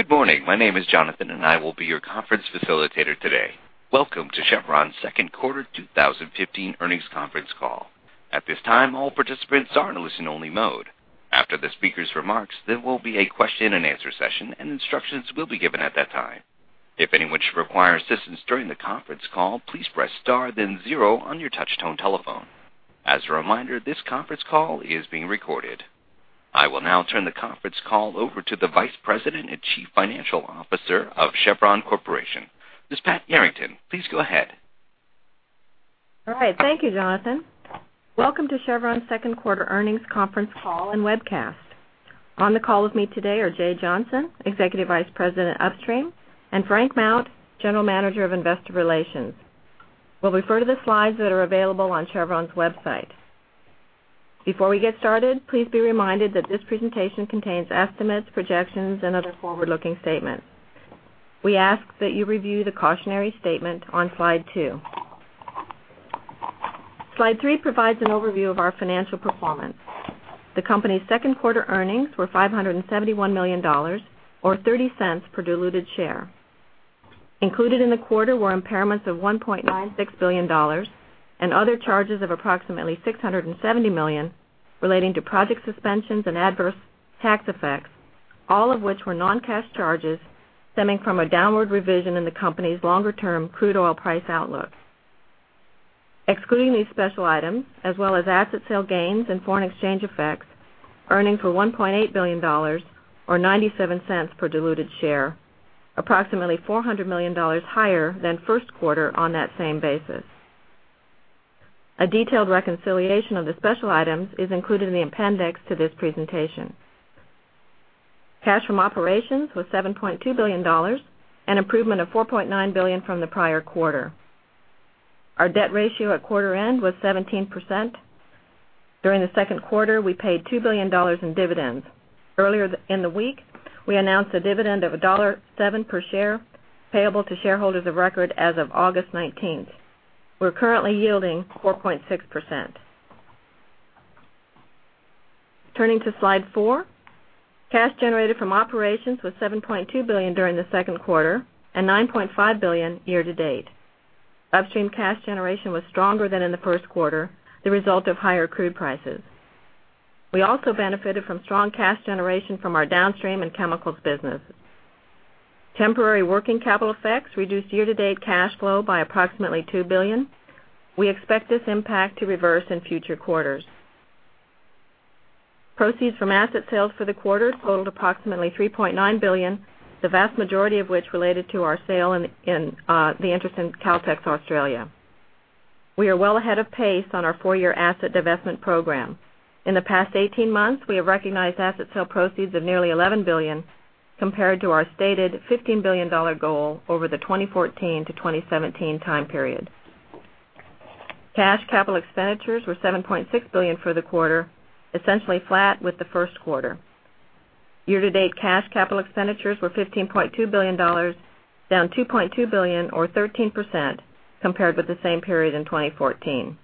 Good morning. My name is Jonathan, and I will be your conference facilitator today. Welcome to Chevron's second quarter 2015 earnings conference call. At this time, all participants are in listen-only mode. After the speakers' remarks, there will be a question-and-answer session, and instructions will be given at that time. If anyone should require assistance during the conference call, please press star then zero on your touch-tone telephone. As a reminder, this conference call is being recorded. I will now turn the conference call over to the Vice President and Chief Financial Officer of Chevron Corporation, Ms. Pat Yarrington. Please go ahead. All right. Thank you, Jonathan. Welcome to Chevron's second quarter earnings conference call and webcast. On the call with me today are Jay Johnson, Executive Vice President, Upstream, and Frank Mount, General Manager of Investor Relations. We'll refer to the slides that are available on Chevron's website. Before we get started, please be reminded that this presentation contains estimates, projections, and other forward-looking statements. We ask that you review the cautionary statement on slide two. Slide three provides an overview of our financial performance. The company's second quarter earnings were $571 million, or $0.30 per diluted share. Included in the quarter were impairments of $1.96 billion and other charges of approximately $670 million relating to project suspensions and adverse tax effects, all of which were non-cash charges stemming from a downward revision in the company's longer-term crude oil price outlook. Excluding these special items, as well as asset sale gains and foreign exchange effects, earnings were $1.8 billion, or $0.97 per diluted share, approximately $400 million higher than the first quarter on that same basis. A detailed reconciliation of the special items is included in the appendix to this presentation. Cash from operations was $7.2 billion, an improvement of $4.9 billion from the prior quarter. Our debt ratio at quarter end was 17%. During the second quarter, we paid $2 billion in dividends. Earlier in the week, we announced a dividend of $1.07 per share payable to shareholders of record as of August 19th. We're currently yielding 4.6%. Turning to slide four. Cash generated from operations was $7.2 billion during the second quarter and $9.5 billion year-to-date. Upstream cash generation was stronger than in the first quarter, the result of higher crude prices. We also benefited from strong cash generation from our Downstream and Chemicals business. Temporary working capital effects reduced year-to-date cash flow by approximately $2 billion. We expect this impact to reverse in future quarters. Proceeds from asset sales for the quarter totaled approximately $3.9 billion, the vast majority of which related to our sale in the interest in Caltex Australia. We are well ahead of pace on our four-year asset divestment program. In the past 18 months, we have recognized asset sale proceeds of nearly $11 billion, compared to our stated $15 billion goal over the 2014 to 2017 time period. Cash capital expenditures were $7.6 billion for the quarter, essentially flat with the first quarter. Year-to-date cash capital expenditures were $15.2 billion, down $2.2 billion or 13% compared with the same period in 2014.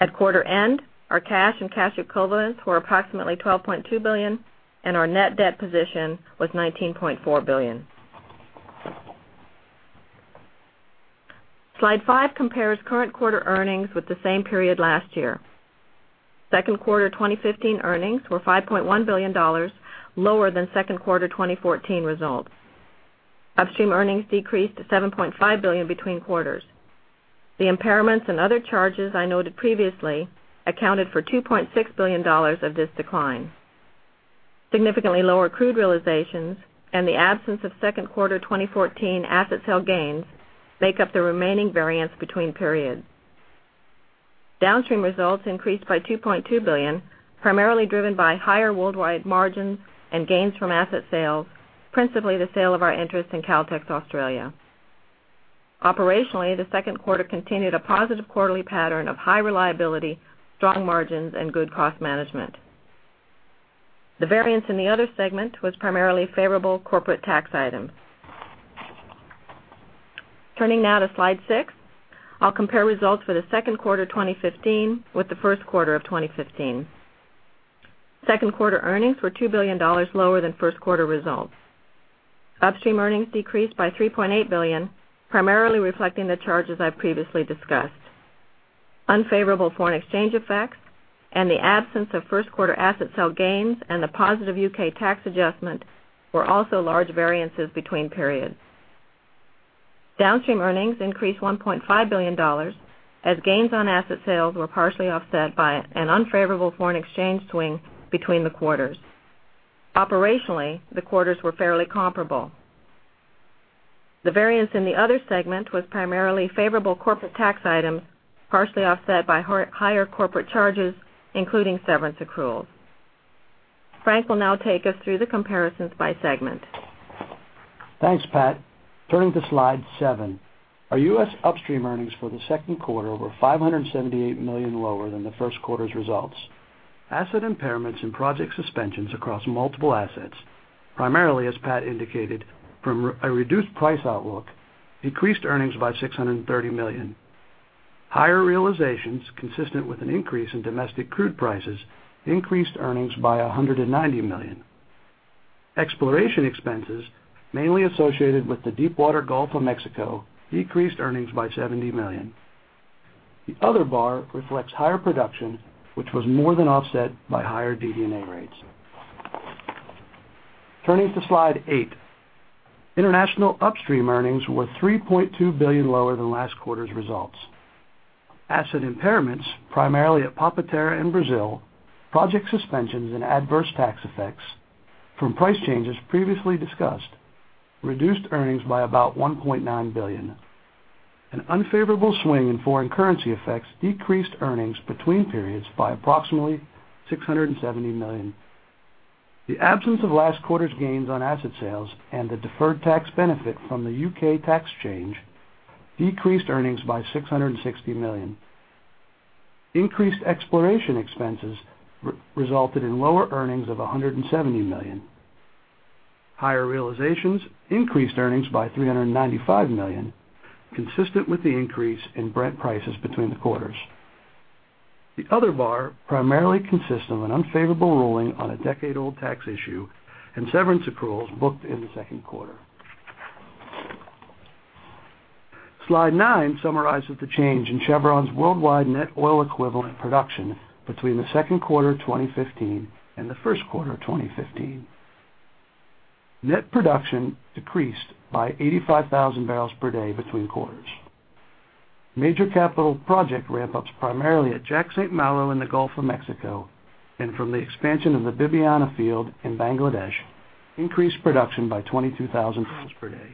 At quarter end, our cash and cash equivalents were approximately $12.2 billion, and our net debt position was $19.4 billion. Slide five compares current quarter earnings with the same period last year. Second quarter 2015 earnings were $5.1 billion, lower than second quarter 2014 results. Upstream earnings decreased to $7.5 billion between quarters. The impairments and other charges I noted previously accounted for $2.6 billion of this decline. Significantly lower crude realizations and the absence of second quarter 2014 asset sale gains make up the remaining variance between periods. Downstream results increased by $2.2 billion, primarily driven by higher worldwide margins and gains from asset sales, principally the sale of our interest in Caltex Australia. Operationally, the second quarter continued a positive quarterly pattern of high reliability, strong margins, and good cost management. The variance in the Other segment was primarily favorable corporate tax items. Turning now to slide six, I'll compare results for the second quarter 2015 with the first quarter of 2015. Second quarter earnings were $2 billion lower than first quarter results. Upstream earnings decreased by $3.8 billion, primarily reflecting the charges I previously discussed. Unfavorable foreign exchange effects and the absence of first quarter asset sale gains and the positive U.K. tax adjustment were also large variances between periods. Downstream earnings increased $1.5 billion as gains on asset sales were partially offset by an unfavorable foreign exchange swing between the quarters. Operationally, the quarters were fairly comparable. The variance in the Other segment was primarily favorable corporate tax items, partially offset by higher corporate charges, including severance accruals. Frank will now take us through the comparisons by segment. Thanks, Pat. Turning to slide seven. Our U.S. Upstream earnings for the second quarter were $578 million lower than the first quarter's results. Asset impairments and project suspensions across multiple assets, primarily, as Pat indicated, from a reduced price outlook, increased earnings by $630 million. Higher realizations consistent with an increase in domestic crude prices increased earnings by $190 million. Exploration expenses, mainly associated with the deepwater Gulf of Mexico, decreased earnings by $70 million. The other bar reflects higher production, which was more than offset by higher DD&A rates. Turning to slide eight, international upstream earnings were $3.2 billion lower than last quarter's results. Asset impairments, primarily at Papa-Terra in Brazil, project suspensions, and adverse tax effects from price changes previously discussed reduced earnings by about $1.9 billion. An unfavorable swing in foreign currency effects decreased earnings between periods by approximately $670 million. The absence of last quarter's gains on asset sales and the deferred tax benefit from the U.K. tax change decreased earnings by $660 million. Increased exploration expenses resulted in lower earnings of $170 million. Higher realizations increased earnings by $395 million, consistent with the increase in Brent prices between the quarters. The other bar primarily consists of an unfavorable ruling on a decade-old tax issue and severance accruals booked in the second quarter. Slide nine summarizes the change in Chevron's worldwide net oil equivalent production between the second quarter 2015 and the first quarter of 2015. Net production decreased by 85,000 barrels per day between quarters. Major capital project ramp-ups primarily at Jack/St. Malo in the Gulf of Mexico and from the expansion of the Bibiyana field in Bangladesh increased production by 22,000 barrels per day.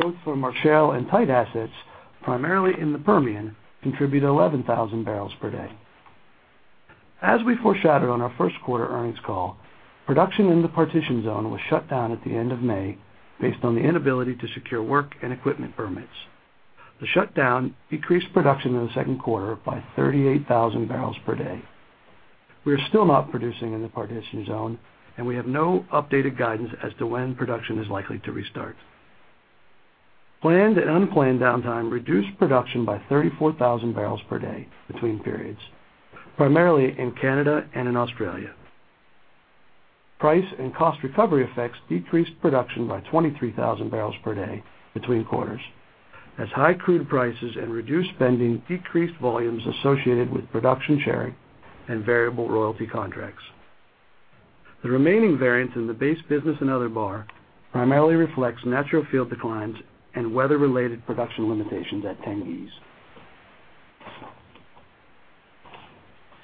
Growth for Marcellus and tight assets, primarily in the Permian, contribute 11,000 barrels per day. As we foreshadowed on our first quarter earnings call, production in the Partitioned Zone was shut down at the end of May based on the inability to secure work and equipment permits. The shutdown decreased production in the second quarter by 38,000 barrels per day. We are still not producing in the Partitioned Zone, and we have no updated guidance as to when production is likely to restart. Planned and unplanned downtime reduced production by 34,000 barrels per day between periods, primarily in Canada and in Australia. Price and cost recovery effects decreased production by 23,000 barrels per day between quarters, as high crude prices and reduced spending decreased volumes associated with production sharing and variable royalty contracts. The remaining variance in the base business and other bar primarily reflects natural field declines and weather-related production limitations at Tengiz.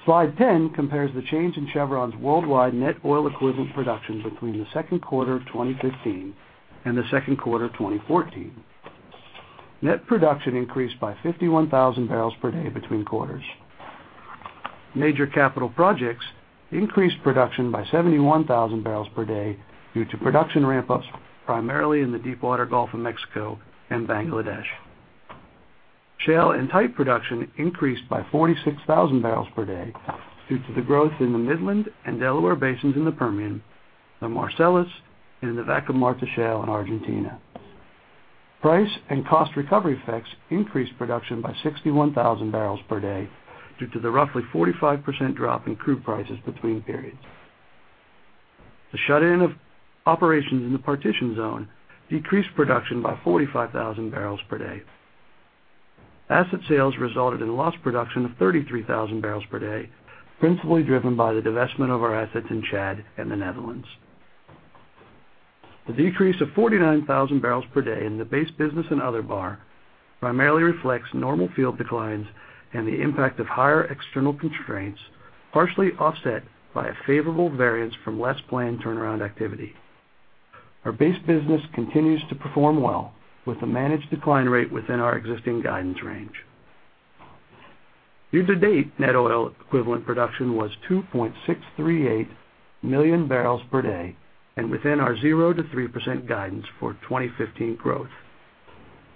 Slide 10 compares the change in Chevron's worldwide net oil equivalent production between the second quarter of 2015 and the second quarter of 2014. Net production increased by 51,000 barrels per day between quarters. Major capital projects increased production by 71,000 barrels per day due to production ramp-ups primarily in the deepwater Gulf of Mexico and Bangladesh. Shale and tight production increased by 46,000 barrels per day due to the growth in the Midland and Delaware basins in the Permian, the Marcellus, and in the Vaca Muerta shale in Argentina. Price and cost recovery effects increased production by 61,000 barrels per day due to the roughly 45% drop in crude prices between periods. The shut-in of operations in the Partitioned Zone decreased production by 45,000 barrels per day. Asset sales resulted in lost production of 33,000 barrels per day, principally driven by the divestment of our assets in Chad and the Netherlands. The decrease of 49,000 barrels per day in the base business and other bar primarily reflects normal field declines and the impact of higher external constraints partially offset by a favorable variance from less planned turnaround activity. Our base business continues to perform well with a managed decline rate within our existing guidance range. Year-to-date net oil equivalent production was 2.638 million barrels per day and within our 0%-3% guidance for 2015 growth.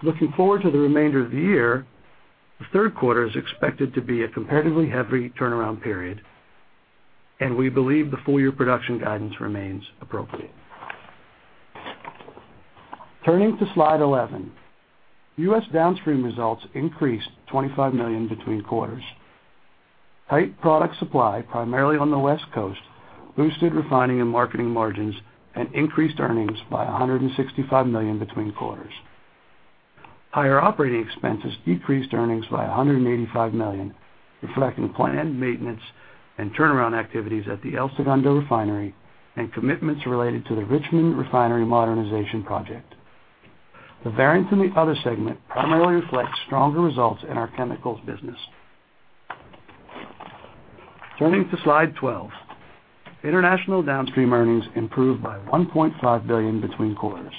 Looking forward to the remainder of the year, the third quarter is expected to be a comparatively heavy turnaround period, and we believe the full-year production guidance remains appropriate. Turning to slide 11, U.S. downstream results increased $25 million between quarters. Tight product supply, primarily on the West Coast, boosted refining and marketing margins and increased earnings by $165 million between quarters. Higher operating expenses decreased earnings by $185 million, reflecting planned maintenance and turnaround activities at the El Segundo refinery and commitments related to the Richmond Refinery modernization project. The variance in the other segment primarily reflects stronger results in our chemicals business. Turning to slide 12. International downstream earnings improved by $1.5 billion between quarters.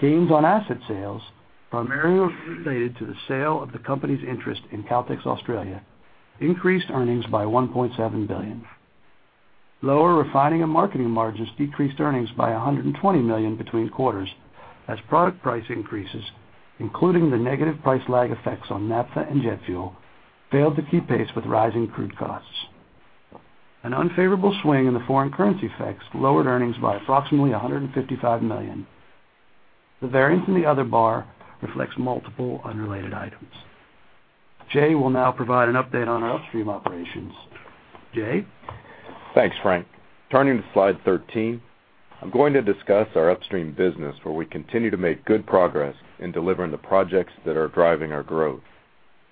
Gains on asset sales, primarily related to the sale of the company's interest in Caltex Australia, increased earnings by $1.7 billion. Lower refining and marketing margins decreased earnings by $120 million between quarters, as product price increases, including the negative price lag effects on naphtha and jet fuel, failed to keep pace with rising crude costs. An unfavorable swing in the foreign currency effects lowered earnings by approximately $155 million. The variance in the other bar reflects multiple unrelated items. Jay will now provide an update on our upstream operations. Jay? Thanks, Frank. Turning to slide 13, I'm going to discuss our upstream business, where we continue to make good progress in delivering the projects that are driving our growth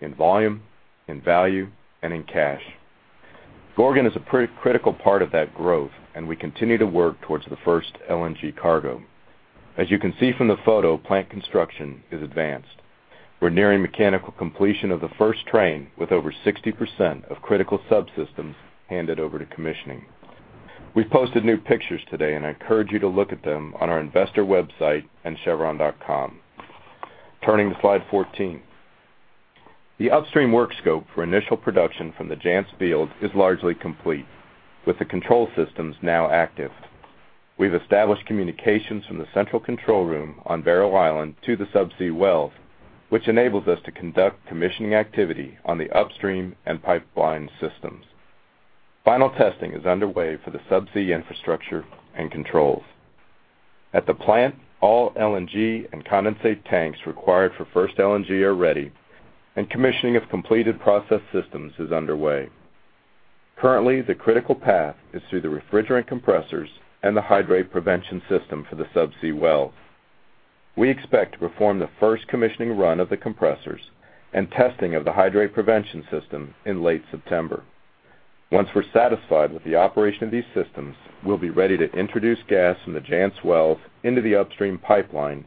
in volume, in value, and in cash. Gorgon is a critical part of that growth, and we continue to work towards the first LNG cargo. As you can see from the photo, plant construction is advanced. We're nearing mechanical completion of the first train, with over 60% of critical subsystems handed over to commissioning. We've posted new pictures today, and I encourage you to look at them on our investor website and chevron.com. Turning to slide 14. The upstream work scope for initial production from the Jansz field is largely complete, with the control systems now active. We've established communications from the central control room on Barrow Island to the sub-sea wells, which enables us to conduct commissioning activity on the upstream and pipeline systems. Final testing is underway for the sub-sea infrastructure and controls. At the plant, all LNG and condensate tanks required for first LNG are ready, and commissioning of completed process systems is underway. Currently, the critical path is through the refrigerant compressors and the hydrate prevention system for the sub-sea wells. We expect to perform the first commissioning run of the compressors and testing of the hydrate prevention system in late September. Once we're satisfied with the operation of these systems, we'll be ready to introduce gas from the Jansz wells into the upstream pipeline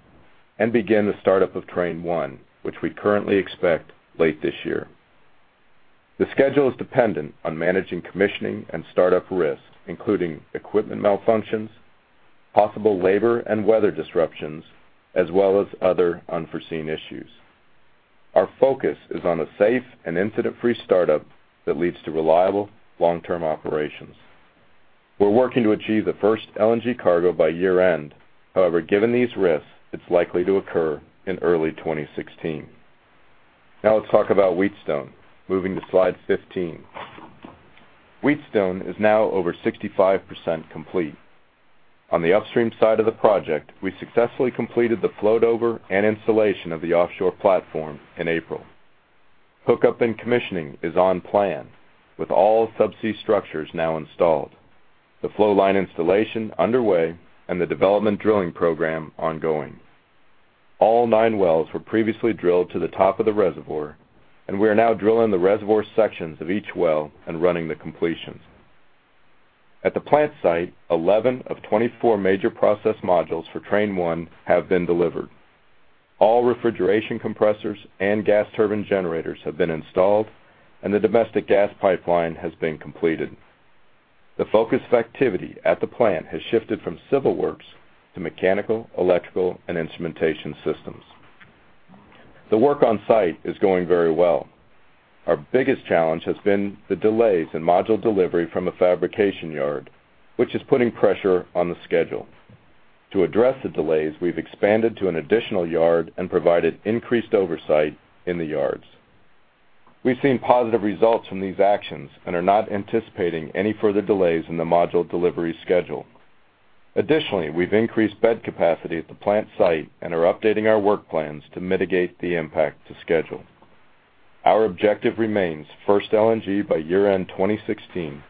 and begin the startup of train one, which we currently expect late this year. The schedule is dependent on managing commissioning and startup risks, including equipment malfunctions, possible labor and weather disruptions, as well as other unforeseen issues. Our focus is on a safe and incident-free startup that leads to reliable long-term operations. We're working to achieve the first LNG cargo by year-end. However, given these risks, it's likely to occur in early 2016. Now let's talk about Wheatstone. Moving to slide 15. Wheatstone is now over 65% complete. On the upstream side of the project, we successfully completed the float over and installation of the offshore platform in April. Hookup and commissioning is on plan, with all sub-sea structures now installed, the flow line installation underway, and the development drilling program ongoing. All nine wells were previously drilled to the top of the reservoir, and we are now drilling the reservoir sections of each well and running the completions. At the plant site, 11 of 24 major process modules for train one have been delivered. All refrigeration compressors and gas turbine generators have been installed, and the domestic gas pipeline has been completed. The focus of activity at the plant has shifted from civil works to mechanical, electrical, and instrumentation systems. The work on site is going very well. Our biggest challenge has been the delays in module delivery from the fabrication yard, which is putting pressure on the schedule. To address the delays, we've expanded to an additional yard and provided increased oversight in the yards. We've seen positive results from these actions and are not anticipating any further delays in the module delivery schedule. Additionally, we've increased bed capacity at the plant site and are updating our work plans to mitigate the impact to schedule. Our objective remains first LNG by year-end 2016,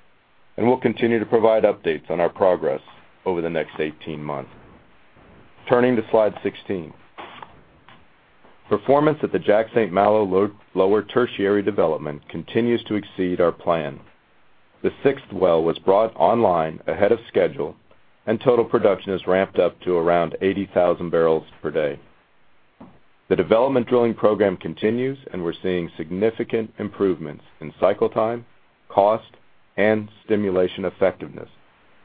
and we'll continue to provide updates on our progress over the next 18 months. Turning to slide 16. Performance at the Jack/St. Malo Lower Tertiary development continues to exceed our plan. The sixth well was brought online ahead of schedule, and total production has ramped up to around 80,000 barrels per day. The development drilling program continues, and we're seeing significant improvements in cycle time, cost, and stimulation effectiveness,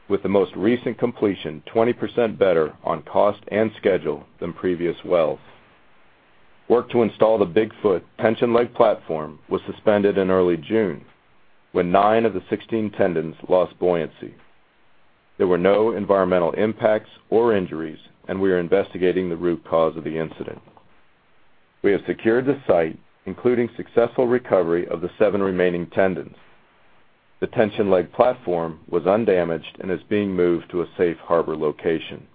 with the most recent completion 20% better on cost and schedule than previous wells. Work to install the Big Foot tension leg platform was suspended in early June when nine of the 16 tendons lost buoyancy. There were no environmental impacts or injuries, and we are investigating the root cause of the incident. We have secured the site, including successful recovery of the seven remaining tendons. The tension leg platform was undamaged and is being moved to a safe harbor location.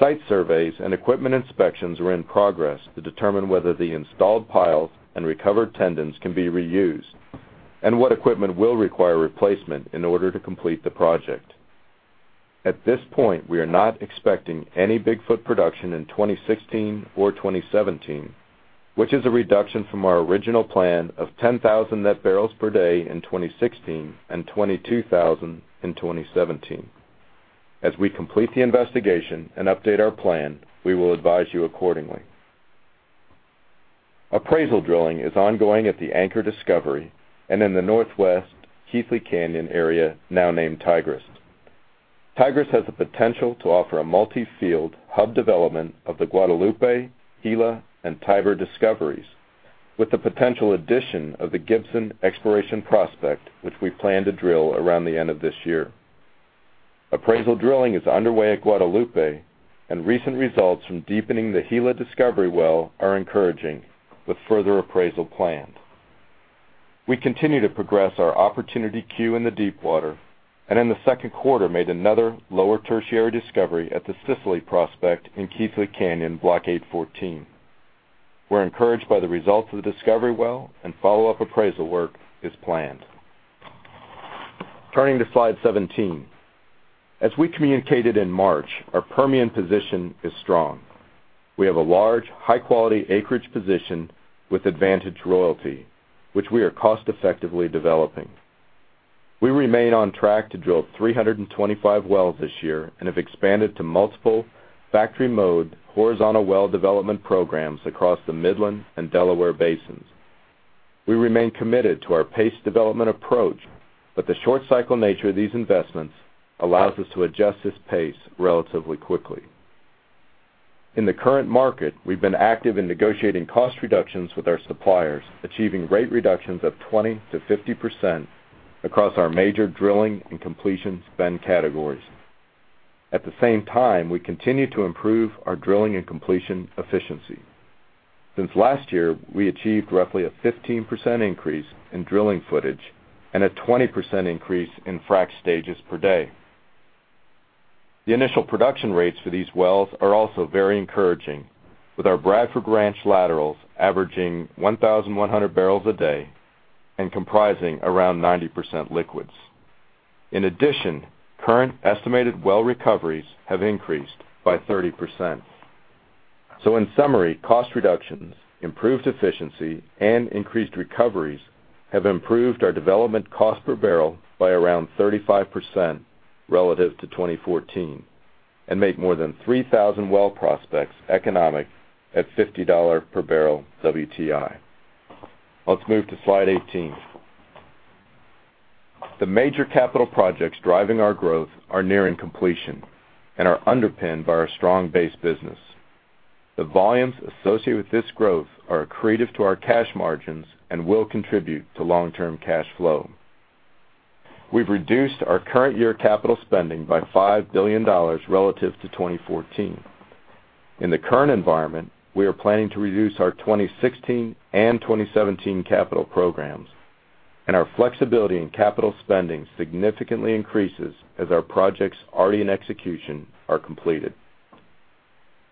Site surveys and equipment inspections are in progress to determine whether the installed piles and recovered tendons can be reused and what equipment will require replacement in order to complete the project. At this point, we are not expecting any Big Foot production in 2016 or 2017, which is a reduction from our original plan of 10,000 net barrels per day in 2016 and 22,000 in 2017. As we complete the investigation and update our plan, we will advise you accordingly. Appraisal drilling is ongoing at the Anchor discovery and in the northwest Keathley Canyon area, now named Tigris. Tigris has the potential to offer a multi-field hub development of the Guadalupe, Gila, and Tiber discoveries, with the potential addition of the Gibson exploration prospect, which we plan to drill around the end of this year. Appraisal drilling is underway at Guadalupe, and recent results from deepening the Gila discovery well are encouraging, with further appraisal planned. We continue to progress our opportunity queue in the deepwater, and in the second quarter made another Lower Tertiary discovery at the Sicily prospect in Keathley Canyon, Block 814. We're encouraged by the results of the discovery well, and follow-up appraisal work is planned. Turning to slide 17. As we communicated in March, our Permian position is strong. We have a large, high-quality acreage position with advantage royalty, which we are cost effectively developing. We remain on track to drill 325 wells this year and have expanded to multiple factory mode horizontal well development programs across the Midland and Delaware basins. We remain committed to our paced development approach, but the short cycle nature of these investments allows us to adjust this pace relatively quickly. In the current market, we've been active in negotiating cost reductions with our suppliers, achieving rate reductions of 20%-50% across our major drilling and completion spend categories. At the same time, we continue to improve our drilling and completion efficiency. Since last year, we achieved roughly a 15% increase in drilling footage and a 20% increase in frack stages per day. The initial production rates for these wells are also very encouraging, with our Bradford Ranch laterals averaging 1,100 barrels a day and comprising around 90% liquids. In addition, current estimated well recoveries have increased by 30%. In summary, cost reductions, improved efficiency, and increased recoveries have improved our development cost per barrel by around 35% relative to 2014 and made more than 3,000 well prospects economic at $50 per barrel WTI. Let's move to slide 18. The major capital projects driving our growth are nearing completion and are underpinned by our strong base business. The volumes associated with this growth are accretive to our cash margins and will contribute to long-term cash flow. We've reduced our current year capital spending by $5 billion relative to 2014. In the current environment, we are planning to reduce our 2016 and 2017 capital programs, our flexibility in capital spending significantly increases as our projects already in execution are completed.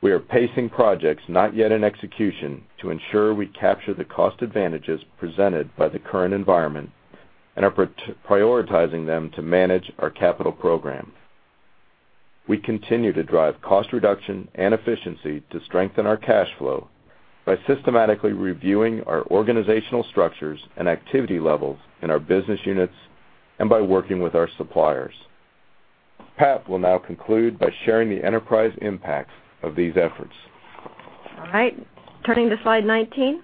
We are pacing projects not yet in execution to ensure we capture the cost advantages presented by the current environment and are prioritizing them to manage our capital program. We continue to drive cost reduction and efficiency to strengthen our cash flow by systematically reviewing our organizational structures and activity levels in our business units and by working with our suppliers. Pat will now conclude by sharing the enterprise impacts of these efforts. All right. Turning to slide 19,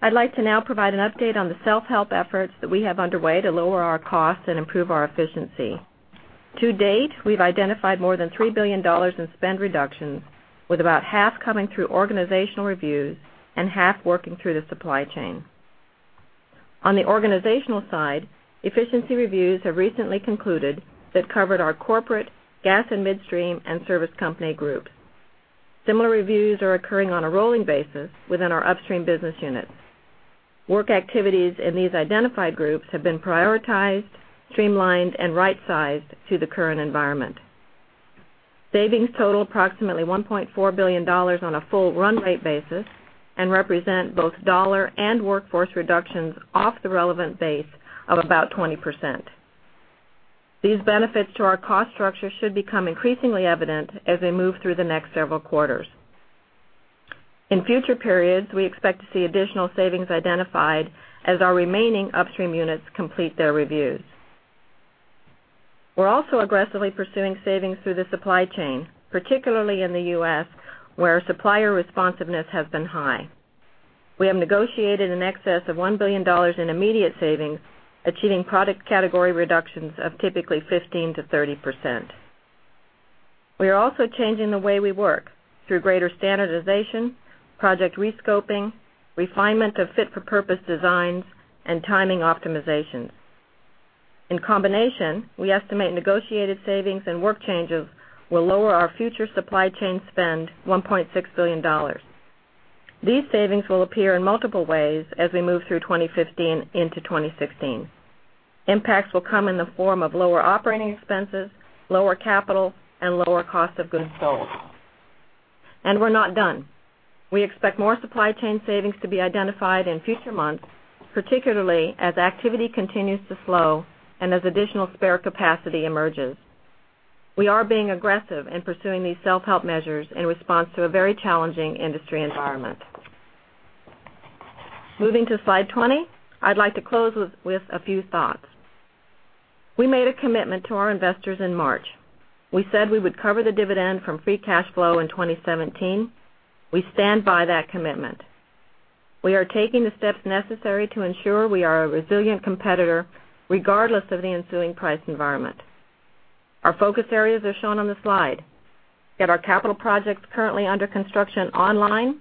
I'd like to now provide an update on the self-help efforts that we have underway to lower our costs and improve our efficiency. To date, we've identified more than $3 billion in spend reductions, with about half coming through organizational reviews and half working through the supply chain. On the organizational side, efficiency reviews have recently concluded that covered our corporate gas and midstream and service company groups. Similar reviews are occurring on a rolling basis within our upstream business units. Work activities in these identified groups have been prioritized, streamlined, and right-sized to the current environment. Savings total approximately $1.4 billion on a full run rate basis and represent both dollar and workforce reductions off the relevant base of about 20%. These benefits to our cost structure should become increasingly evident as we move through the next several quarters. In future periods, we expect to see additional savings identified as our remaining upstream units complete their reviews. We're also aggressively pursuing savings through the supply chain, particularly in the U.S., where supplier responsiveness has been high. We have negotiated in excess of $1 billion in immediate savings, achieving product category reductions of typically 15%-30%. We are also changing the way we work through greater standardization, project rescoping, refinement of fit-for-purpose designs, and timing optimizations. In combination, we estimate negotiated savings and work changes will lower our future supply chain spend $1.6 billion. These savings will appear in multiple ways as we move through 2015 into 2016. Impacts will come in the form of lower operating expenses, lower capital, and lower cost of goods sold. We're not done. We expect more supply chain savings to be identified in future months, particularly as activity continues to slow and as additional spare capacity emerges. We are being aggressive in pursuing these self-help measures in response to a very challenging industry environment. Moving to slide 20, I'd like to close with a few thoughts. We made a commitment to our investors in March. We said we would cover the dividend from free cash flow in 2017. We stand by that commitment. We are taking the steps necessary to ensure we are a resilient competitor regardless of the ensuing price environment. Our focus areas are shown on the slide. Get our capital projects currently under construction online,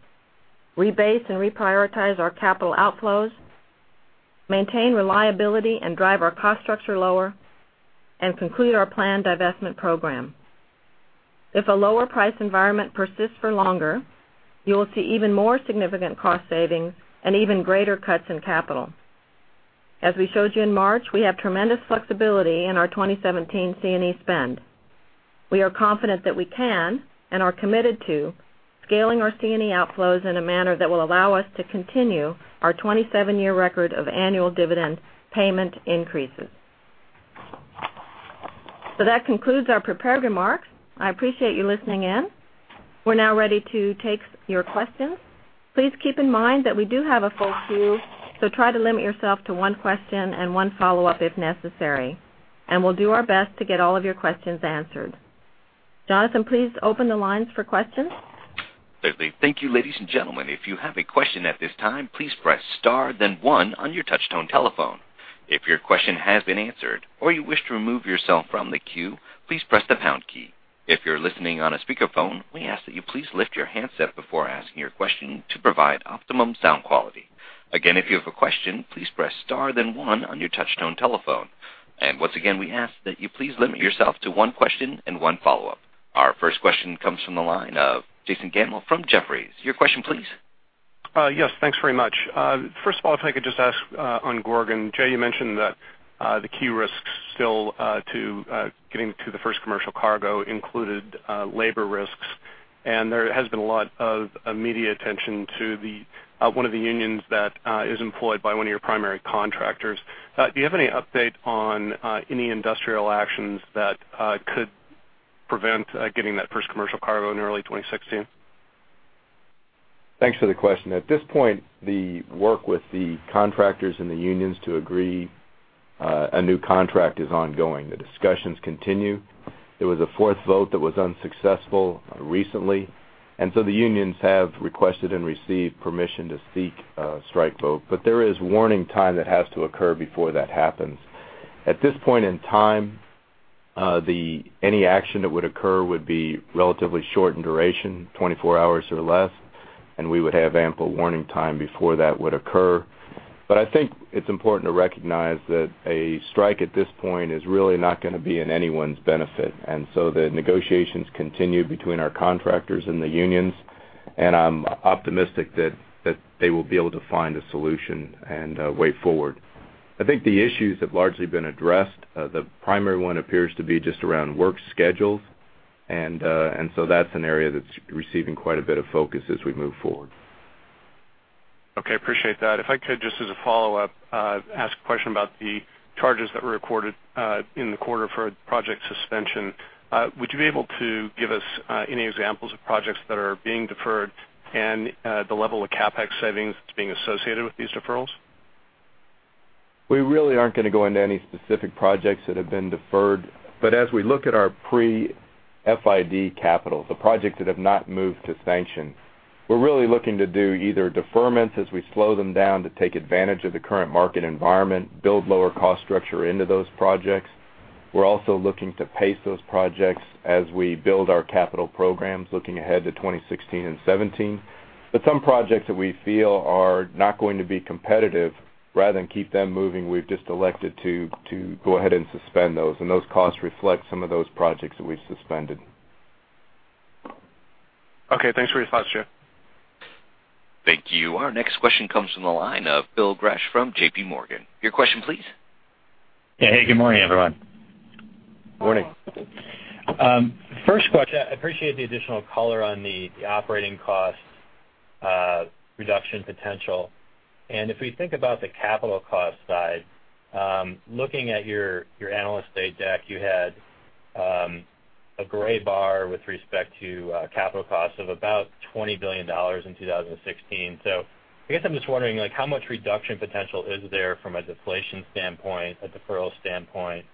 rebase and reprioritize our capital outflows, maintain reliability and drive our cost structure lower, and conclude our planned divestment program. If a lower price environment persists for longer, you will see even more significant cost savings and even greater cuts in capital. As we showed you in March, we have tremendous flexibility in our 2017 C&E spend. We are confident that we can, and are committed to scaling our C&E outflows in a manner that will allow us to continue our 27-year record of annual dividend payment increases. That concludes our prepared remarks. I appreciate you listening in. We're now ready to take your questions. Please keep in mind that we do have a full queue, try to limit yourself to one question and one follow-up if necessary, and we'll do our best to get all of your questions answered. Jonathan, please open the lines for questions. Certainly. Thank you, ladies and gentlemen. If you have a question at this time, please press star then one on your touch tone telephone. If your question has been answered or you wish to remove yourself from the queue, please press the pound key. If you're listening on a speakerphone, we ask that you please lift your handset before asking your question to provide optimum sound quality. Again, if you have a question, please press star then one on your touch tone telephone. Once again, we ask that you please limit yourself to one question and one follow-up. Our first question comes from the line of Jason Gammel from Jefferies. Your question please. Yes, thanks very much. First of all, if I could just ask on Gorgon. Jay, you mentioned that the key risks still to getting to the first commercial cargo included labor risks, and there has been a lot of media attention to one of the unions that is employed by one of your primary contractors. Do you have any update on any industrial actions that could prevent getting that first commercial cargo in early 2016? Thanks for the question. At this point, the work with the contractors and the unions to agree a new contract is ongoing. The discussions continue. There was a fourth vote that was unsuccessful recently, and so the unions have requested and received permission to seek a strike vote. There is warning time that has to occur before that happens. At this point in time, any action that would occur would be relatively short in duration, 24 hours or less, and we would have ample warning time before that would occur. I think it's important to recognize that a strike at this point is really not going to be in anyone's benefit. The negotiations continue between our contractors and the unions, and I'm optimistic that they will be able to find a solution and a way forward. I think the issues have largely been addressed. The primary one appears to be just around work schedules, and so that's an area that's receiving quite a bit of focus as we move forward. Okay. Appreciate that. If I could just as a follow-up, ask a question about the charges that were recorded in the quarter for project suspension. Would you be able to give us any examples of projects that are being deferred and the level of CapEx savings that's being associated with these deferrals? We really aren't going to go into any specific projects that have been deferred. As we look at our pre-FID capital, the projects that have not moved to sanction, we're really looking to do either deferments as we slow them down to take advantage of the current market environment, build lower cost structure into those projects. We're also looking to pace those projects as we build our capital programs looking ahead to 2016 and 2017. Some projects that we feel are not going to be competitive, rather than keep them moving, we've just elected to go ahead and suspend those. Those costs reflect some of those projects that we've suspended. Okay, thanks for your thoughts, Jay. Thank you. Our next question comes from the line of Phil Gresh from JPMorgan. Your question please. Yeah. Hey, good morning, everyone. Morning. First question. I appreciate the additional color on the operating cost reduction potential. If we think about the capital cost side, looking at your Analyst Day deck, you had a gray bar with respect to capital costs of about $20 billion in 2016. I guess I'm just wondering how much reduction potential is there from a deflation standpoint, a deferral standpoint,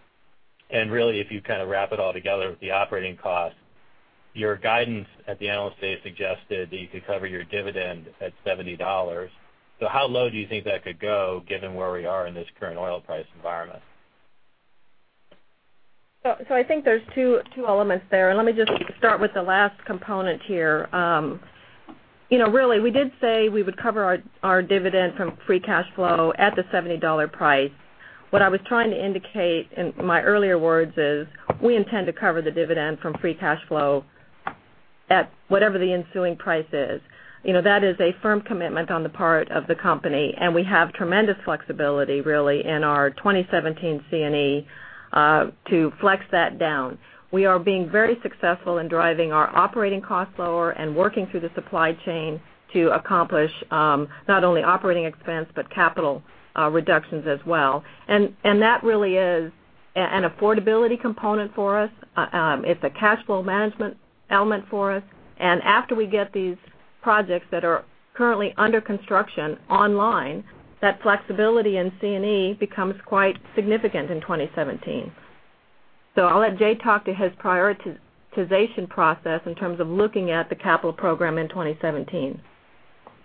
and really if you kind of wrap it all together with the operating costs, your guidance at the Analyst Day suggested that you could cover your dividend at $70. How low do you think that could go given where we are in this current oil price environment? I think there's two elements there, and let me just start with the last component here. Really, we did say we would cover our dividend from free cash flow at the $70 price. What I was trying to indicate in my earlier words is we intend to cover the dividend from free cash flow at whatever the ensuing price is. That is a firm commitment on the part of the company, we have tremendous flexibility really in our 2017 C&E to flex that down. We are being very successful in driving our operating costs lower and working through the supply chain to accomplish, not only operating expense, but capital reductions as well. That really is an affordability component for us. It's a cash flow management element for us. After we get these projects that are currently under construction online, that flexibility in C&E becomes quite significant in 2017. I'll let Jay talk to his prioritization process in terms of looking at the capital program in 2017.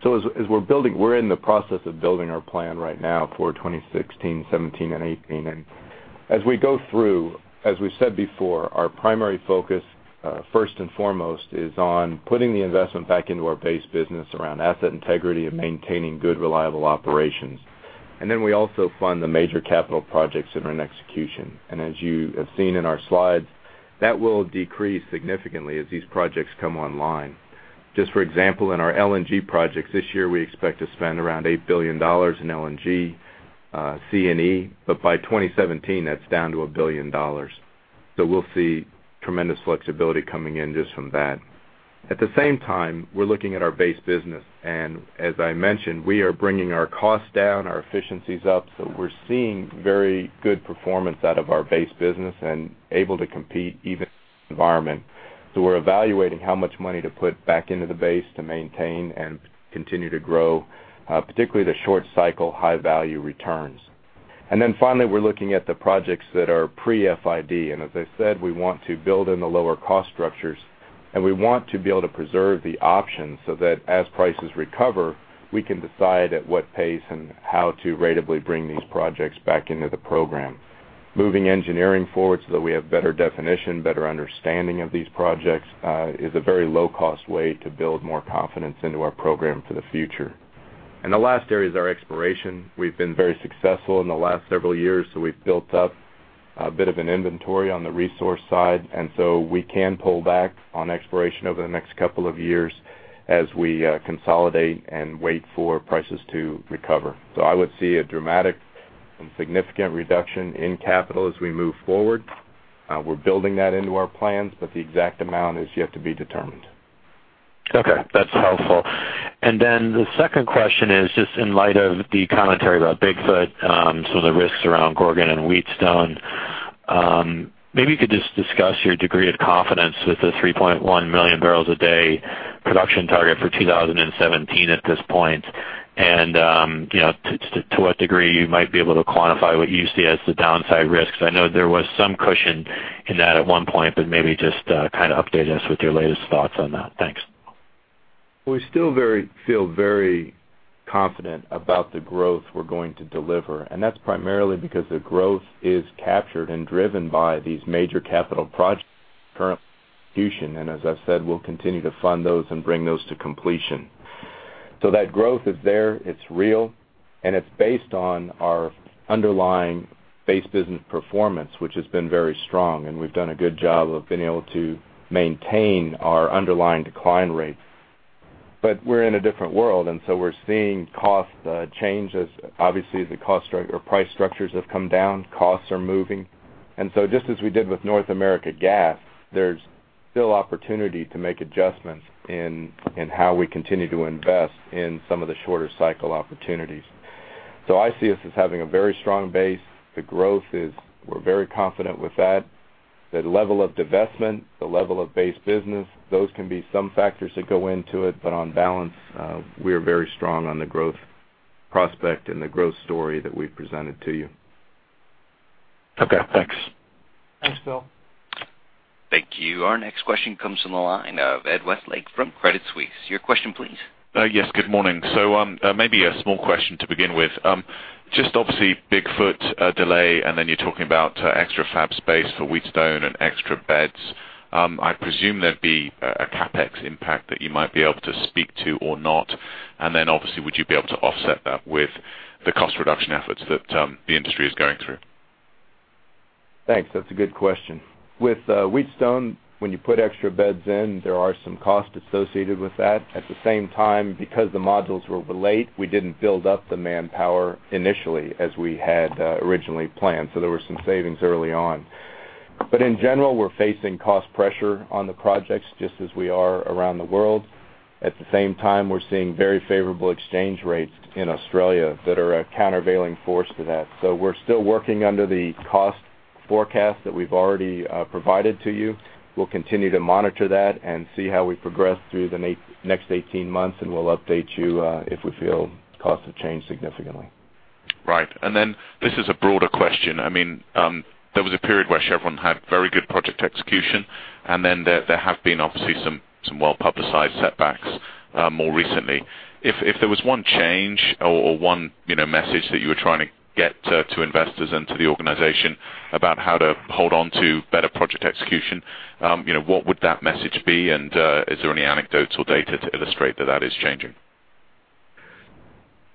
As we're building, we're in the process of building our plan right now for 2016, 2017, and 2018. As we go through, as we said before, our primary focus, first and foremost, is on putting the investment back into our base business around asset integrity and maintaining good reliable operations. Then we also fund the major capital projects that are in execution. As you have seen in our slides, that will decrease significantly as these projects come online. Just for example, in our LNG projects this year, we expect to spend around $8 billion in LNG, C&E, but by 2017, that's down to $1 billion. We'll see tremendous flexibility coming in just from that. At the same time, we're looking at our base business. As I mentioned, we are bringing our costs down, our efficiencies up. We're seeing very good performance out of our base business and able to compete even in this environment. We're evaluating how much money to put back into the base to maintain and continue to grow, particularly the short cycle, high-value returns. Finally, we're looking at the projects that are pre-FID. As I said, we want to build in the lower cost structures. We want to be able to preserve the options so that as prices recover, we can decide at what pace and how to ratably bring these projects back into the program. Moving engineering forward so that we have better definition, better understanding of these projects, is a very low-cost way to build more confidence into our program for the future. The last area is our exploration. We've been very successful in the last several years. We've built up a bit of an inventory on the resource side. We can pull back on exploration over the next couple of years as we consolidate and wait for prices to recover. I would see a dramatic and significant reduction in capital as we move forward. We're building that into our plans, but the exact amount is yet to be determined. Okay, that's helpful. The second question is just in light of the commentary about Big Foot, some of the risks around Gorgon and Wheatstone. Maybe you could just discuss your degree of confidence with the 3.1 million barrels a day production target for 2017 at this point and to what degree you might be able to quantify what you see as the downside risks. I know there was some cushion in that at one point. Maybe just update us with your latest thoughts on that. Thanks. We still feel very confident about the growth we're going to deliver. That's primarily because the growth is captured and driven by these major capital projects currently in execution. As I've said, we'll continue to fund those and bring those to completion. That growth is there, it's real. It's based on our underlying base business performance, which has been very strong. We've done a good job of being able to maintain our underlying decline rates. We're in a different world. We're seeing cost changes. Obviously, the price structures have come down. Costs are moving. Just as we did with North America Gas, there's still opportunity to make adjustments in how we continue to invest in some of the shorter cycle opportunities. I see us as having a very strong base. We're very confident with that. The level of divestment, the level of base business, those can be some factors that go into it, but on balance, we are very strong on the growth prospect and the growth story that we've presented to you. Okay, thanks. Thanks, Phil. Thank you. Our next question comes from the line of Ed Westlake from Credit Suisse. Your question, please. Yes, good morning. Maybe a small question to begin with. Just obviously, Big Foot delay, then you're talking about extra fab space for Wheatstone and extra beds. I presume there'd be a CapEx impact that you might be able to speak to or not. Obviously, would you be able to offset that with the cost reduction efforts that the industry is going through? Thanks. That's a good question. With Wheatstone, when you put extra beds in, there are some costs associated with that. At the same time, because the modules were late, we didn't build up the manpower initially as we had originally planned, so there were some savings early on. In general, we're facing cost pressure on the projects just as we are around the world. At the same time, we're seeing very favorable exchange rates in Australia that are a countervailing force to that. We're still working under the cost forecast that we've already provided to you. We'll continue to monitor that and see how we progress through the next 18 months, and we'll update you if we feel costs have changed significantly. Right. This is a broader question. There was a period where Chevron had very good project execution, then there have been obviously some well-publicized setbacks more recently. If there was one change or one message that you were trying to get to investors and to the organization about how to hold on to better project execution, what would that message be, and is there any anecdotal data to illustrate that that is changing?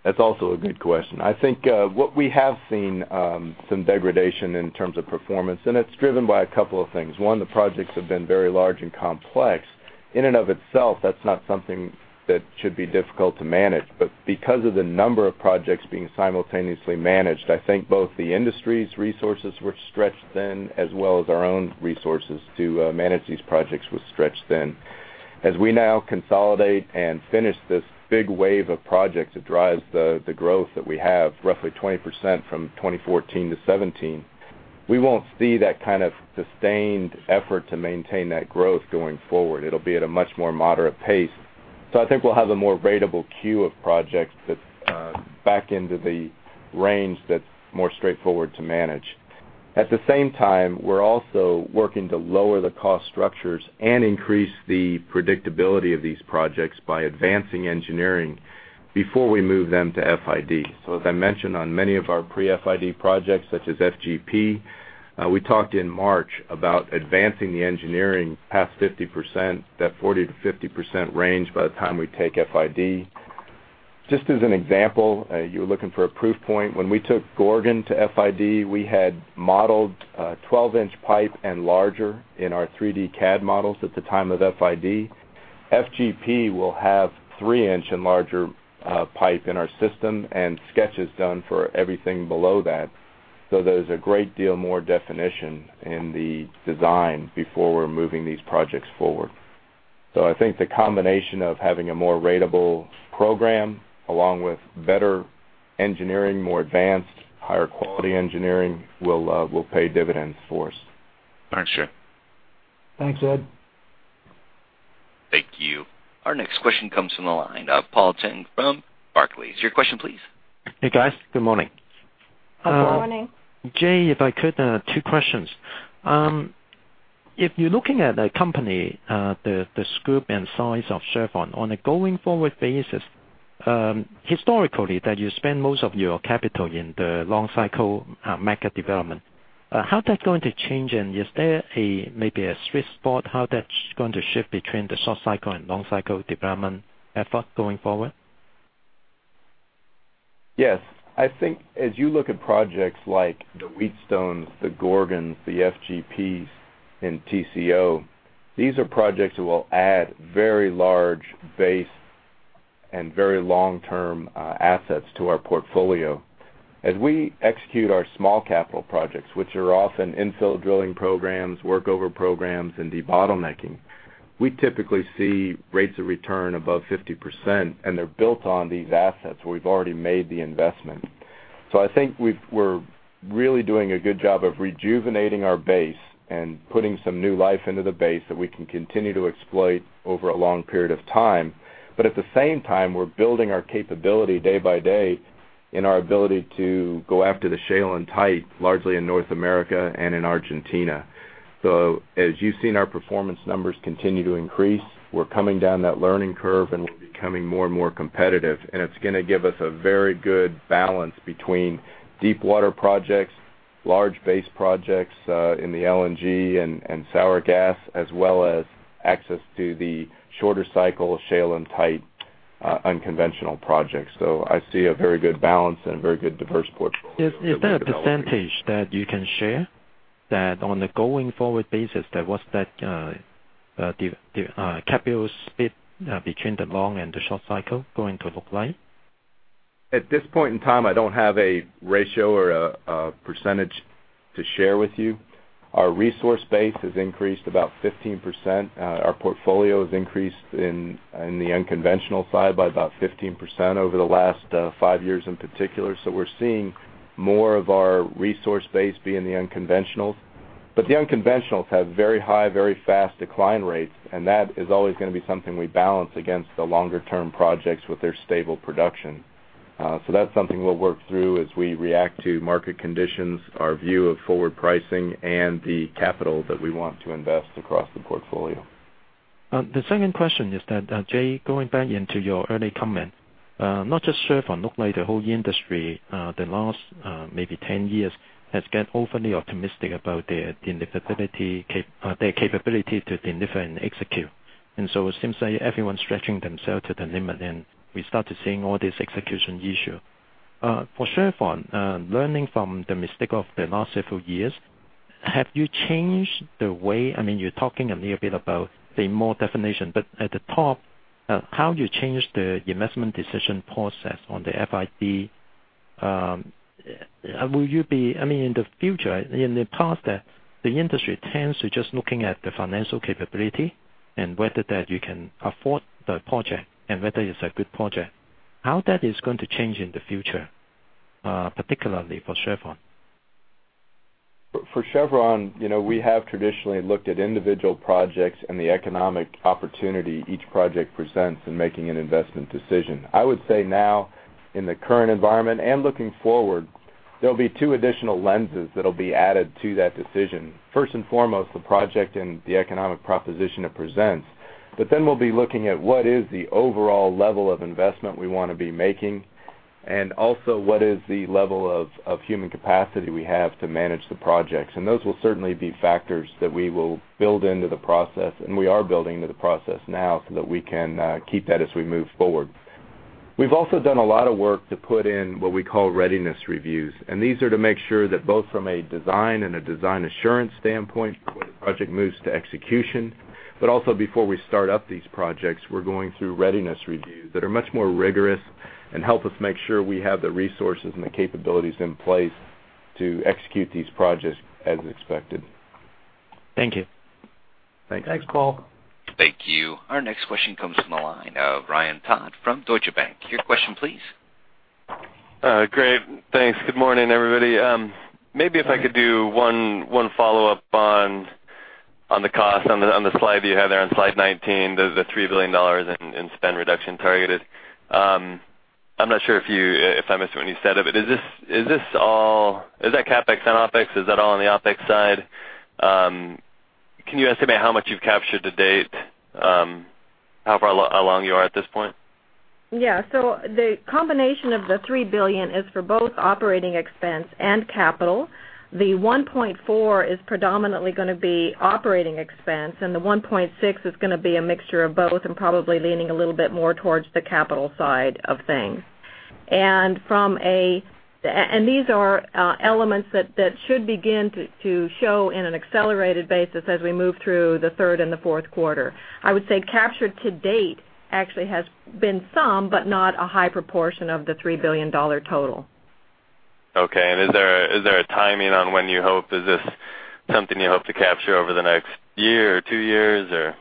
That's also a good question. I think what we have seen some degradation in terms of performance, it's driven by a couple of things. One, the projects have been very large and complex. In and of itself, that's not something that should be difficult to manage, because of the number of projects being simultaneously managed, I think both the industry's resources were stretched thin, as well as our own resources to manage these projects were stretched thin. As we now consolidate and finish this big wave of projects that drives the growth that we have, roughly 20% from 2014 to 2017, we won't see that kind of sustained effort to maintain that growth going forward. It'll be at a much more moderate pace. I think we'll have a more ratable queue of projects that's back into the range that's more straightforward to manage. At the same time, we're also working to lower the cost structures and increase the predictability of these projects by advancing engineering before we move them to FID. As I mentioned on many of our pre-FID projects, such as FGP, we talked in March about advancing the engineering past 50%, that 40%-50% range by the time we take FID. Just as an example, you're looking for a proof point. When we took Gorgon to FID, we had modeled 12-inch pipe and larger in our 3D CAD models at the time of FID. FGP will have 3-inch and larger pipe in our system and sketches done for everything below that. There's a great deal more definition in the design before we're moving these projects forward. I think the combination of having a more ratable program along with better engineering, more advanced, higher quality engineering will pay dividends for us. Thanks, Jay. Thanks, Ed. Thank you. Our next question comes from the line of Paul Cheng from Barclays. Your question, please. Hey, guys. Good morning. Good morning. Jay, if I could, two questions. If you're looking at a company, the scope and size of Chevron on a going forward basis, historically that you spend most of your capital in the long cycle mega development. How's that going to change? Is there maybe a sweet spot how that's going to shift between the short cycle and long cycle development effort going forward? Yes. I think as you look at projects like the Wheatstone, the Gorgon, the FGPs, and Tengizchevroil, these are projects that will add very large base and very long-term assets to our portfolio. As we execute our small capital projects, which are often infill drilling programs, work over programs, and debottlenecking, we typically see rates of return above 50%, and they're built on these assets where we've already made the investment. I think we're really doing a good job of rejuvenating our base and putting some new life into the base that we can continue to exploit over a long period of time. At the same time, we're building our capability day by day in our ability to go after the shale and tight, largely in North America and in Argentina. As you've seen our performance numbers continue to increase, we're coming down that learning curve, and we're becoming more and more competitive, and it's going to give us a very good balance between deep water projects, large base projects, in the LNG and sour gas, as well as access to the shorter cycle shale and tight unconventional projects. I see a very good balance and a very good diverse portfolio that we can develop. Is there a percentage that you can share that on a going forward basis that what's that capital split between the long and the short cycle going to look like? At this point in time, I don't have a ratio or a percentage to share with you. Our resource base has increased about 15%. Our portfolio has increased in the unconventional side by about 15% over the last five years in particular. We're seeing more of our resource base be in the unconventionals. The unconventionals have very high, very fast decline rates, and that is always going to be something we balance against the longer-term projects with their stable production. That's something we'll work through as we react to market conditions, our view of forward pricing, and the capital that we want to invest across the portfolio. The second question is that, Jay, going back into your early comment, not just Chevron, look like the whole industry, the last maybe 10 years has got overly optimistic about their capability to deliver and execute. It seems like everyone's stretching themselves to the limit, and we start to seeing all this execution issue. For Chevron, learning from the mistake of the last several years, have you changed the way I mean, you're talking a little bit about the more definition, but at the top, how do you change the investment decision process on the FID? In the past, the industry tends to just looking at the financial capability, and whether that you can afford the project, and whether it's a good project. How that is going to change in the future, particularly for Chevron? For Chevron, we have traditionally looked at individual projects and the economic opportunity each project presents in making an investment decision. I would say now in the current environment and looking forward, there'll be two additional lenses that'll be added to that decision. First and foremost, the project and the economic proposition it presents. We'll be looking at what is the overall level of investment we want to be making, and also what is the level of human capacity we have to manage the projects. Those will certainly be factors that we will build into the process, and we are building into the process now so that we can keep that as we move forward. We've also done a lot of work to put in what we call readiness reviews, these are to make sure that both from a design and a design assurance standpoint before the project moves to execution, also before we start up these projects, we're going through readiness reviews that are much more rigorous and help us make sure we have the resources and the capabilities in place to execute these projects as expected. Thank you. Thanks. Thanks, Paul. Thank you. Our next question comes from the line of Ryan Todd from Deutsche Bank. Your question, please. Great. Thanks. Good morning, everybody. Maybe if I could do one follow-up on the cost on the slide that you have there on slide 19, the $3 billion in spend reduction targeted. I'm not sure if I missed what you said of it. Is that CapEx and OpEx? Is that all on the OpEx side? Can you estimate how much you've captured to date? How far along you are at this point? Yeah. The combination of the $3 billion is for both operating expense and capital. The $1.4 is predominantly going to be operating expense, and the $1.6 is going to be a mixture of both and probably leaning a little bit more towards the capital side of things. These are elements that should begin to show in an accelerated basis as we move through the third and the fourth quarter. I would say captured to date actually has been some, but not a high proportion of the $3 billion total. Okay. Is there a timing on when you hope, is this something you hope to capture over the next year or two years, or?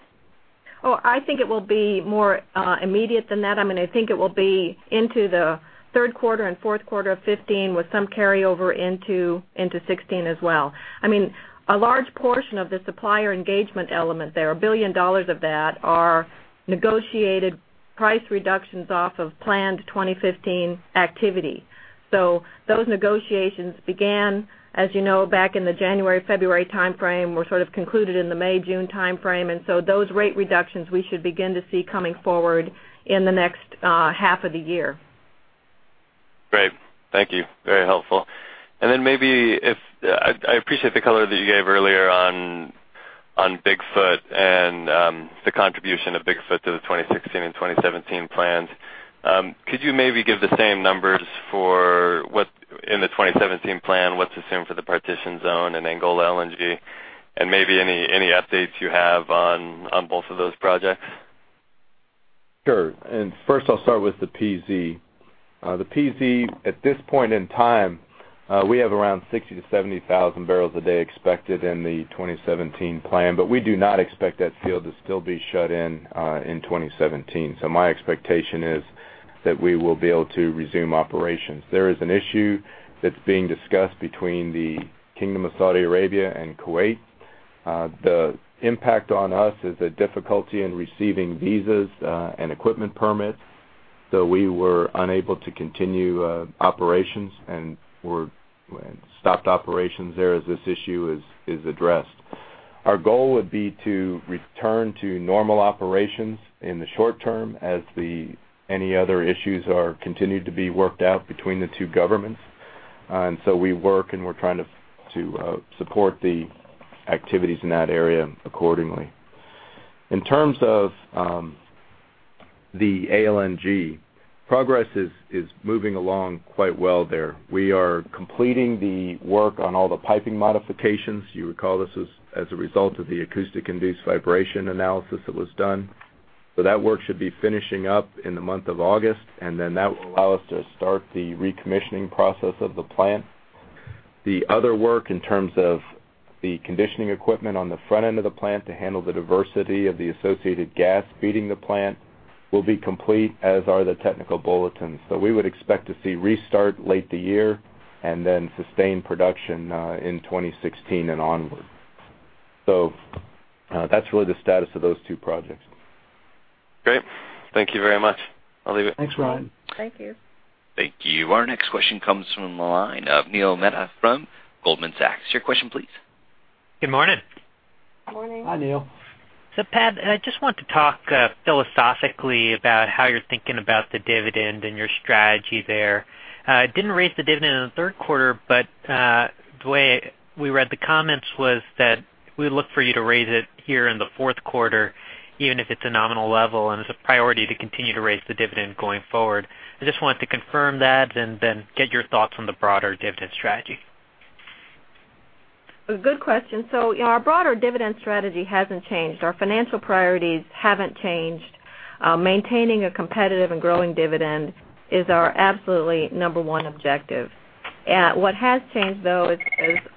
Oh, I think it will be more immediate than that. I think it will be into the third quarter and fourth quarter of 2015, with some carryover into 2016 as well. A large portion of the supplier engagement element there, $1 billion of that are negotiated price reductions off of planned 2015 activity. Those negotiations began, as you know, back in the January, February timeframe, were sort of concluded in the May, June timeframe. Those rate reductions we should begin to see coming forward in the next half of the year. Great. Thank you. Very helpful. I appreciate the color that you gave earlier on Big Foot and the contribution of Big Foot to the 2016 and 2017 plans. Could you maybe give the same numbers for in the 2017 plan, what's assumed for the Partitioned Zone and Angola LNG, and maybe any updates you have on both of those projects? Sure. First I'll start with the PZ. The PZ, at this point in time, we have around 60,000 to 70,000 barrels a day expected in the 2017 plan. We do not expect that field to still be shut in 2017. My expectation is that we will be able to resume operations. There is an issue that's being discussed between the Kingdom of Saudi Arabia and Kuwait. The impact on us is the difficulty in receiving visas and equipment permits. We were unable to continue operations, and we stopped operations there as this issue is addressed. Our goal would be to return to normal operations in the short term as any other issues are continued to be worked out between the two governments. We work, and we're trying to support the activities in that area accordingly. In terms of the ALNG, progress is moving along quite well there. We are completing the work on all the piping modifications. You recall, this is as a result of the acoustic induced vibration analysis that was done. That work should be finishing up in the month of August, and then that will allow us to start the recommissioning process of the plant. The other work, in terms of the conditioning equipment on the front end of the plant to handle the diversity of the associated gas feeding the plant, will be complete, as are the technical bulletins. We would expect to see restart late the year, and then sustained production in 2016 and onward. That's really the status of those two projects. Great. Thank you very much. I'll leave it. Thanks, Ryan. Thank you. Thank you. Our next question comes from the line of Neil Mehta from Goldman Sachs. Your question, please. Good morning. Morning. Hi, Neil. Pat, I just want to talk philosophically about how you're thinking about the dividend and your strategy there. Didn't raise the dividend in the third quarter, but the way we read the comments was that we look for you to raise it here in the fourth quarter, even if it's a nominal level, and it's a priority to continue to raise the dividend going forward. I just wanted to confirm that and then get your thoughts on the broader dividend strategy. A good question. Our broader dividend strategy hasn't changed. Our financial priorities haven't changed. Maintaining a competitive and growing dividend is our absolutely number one objective. What has changed, though, is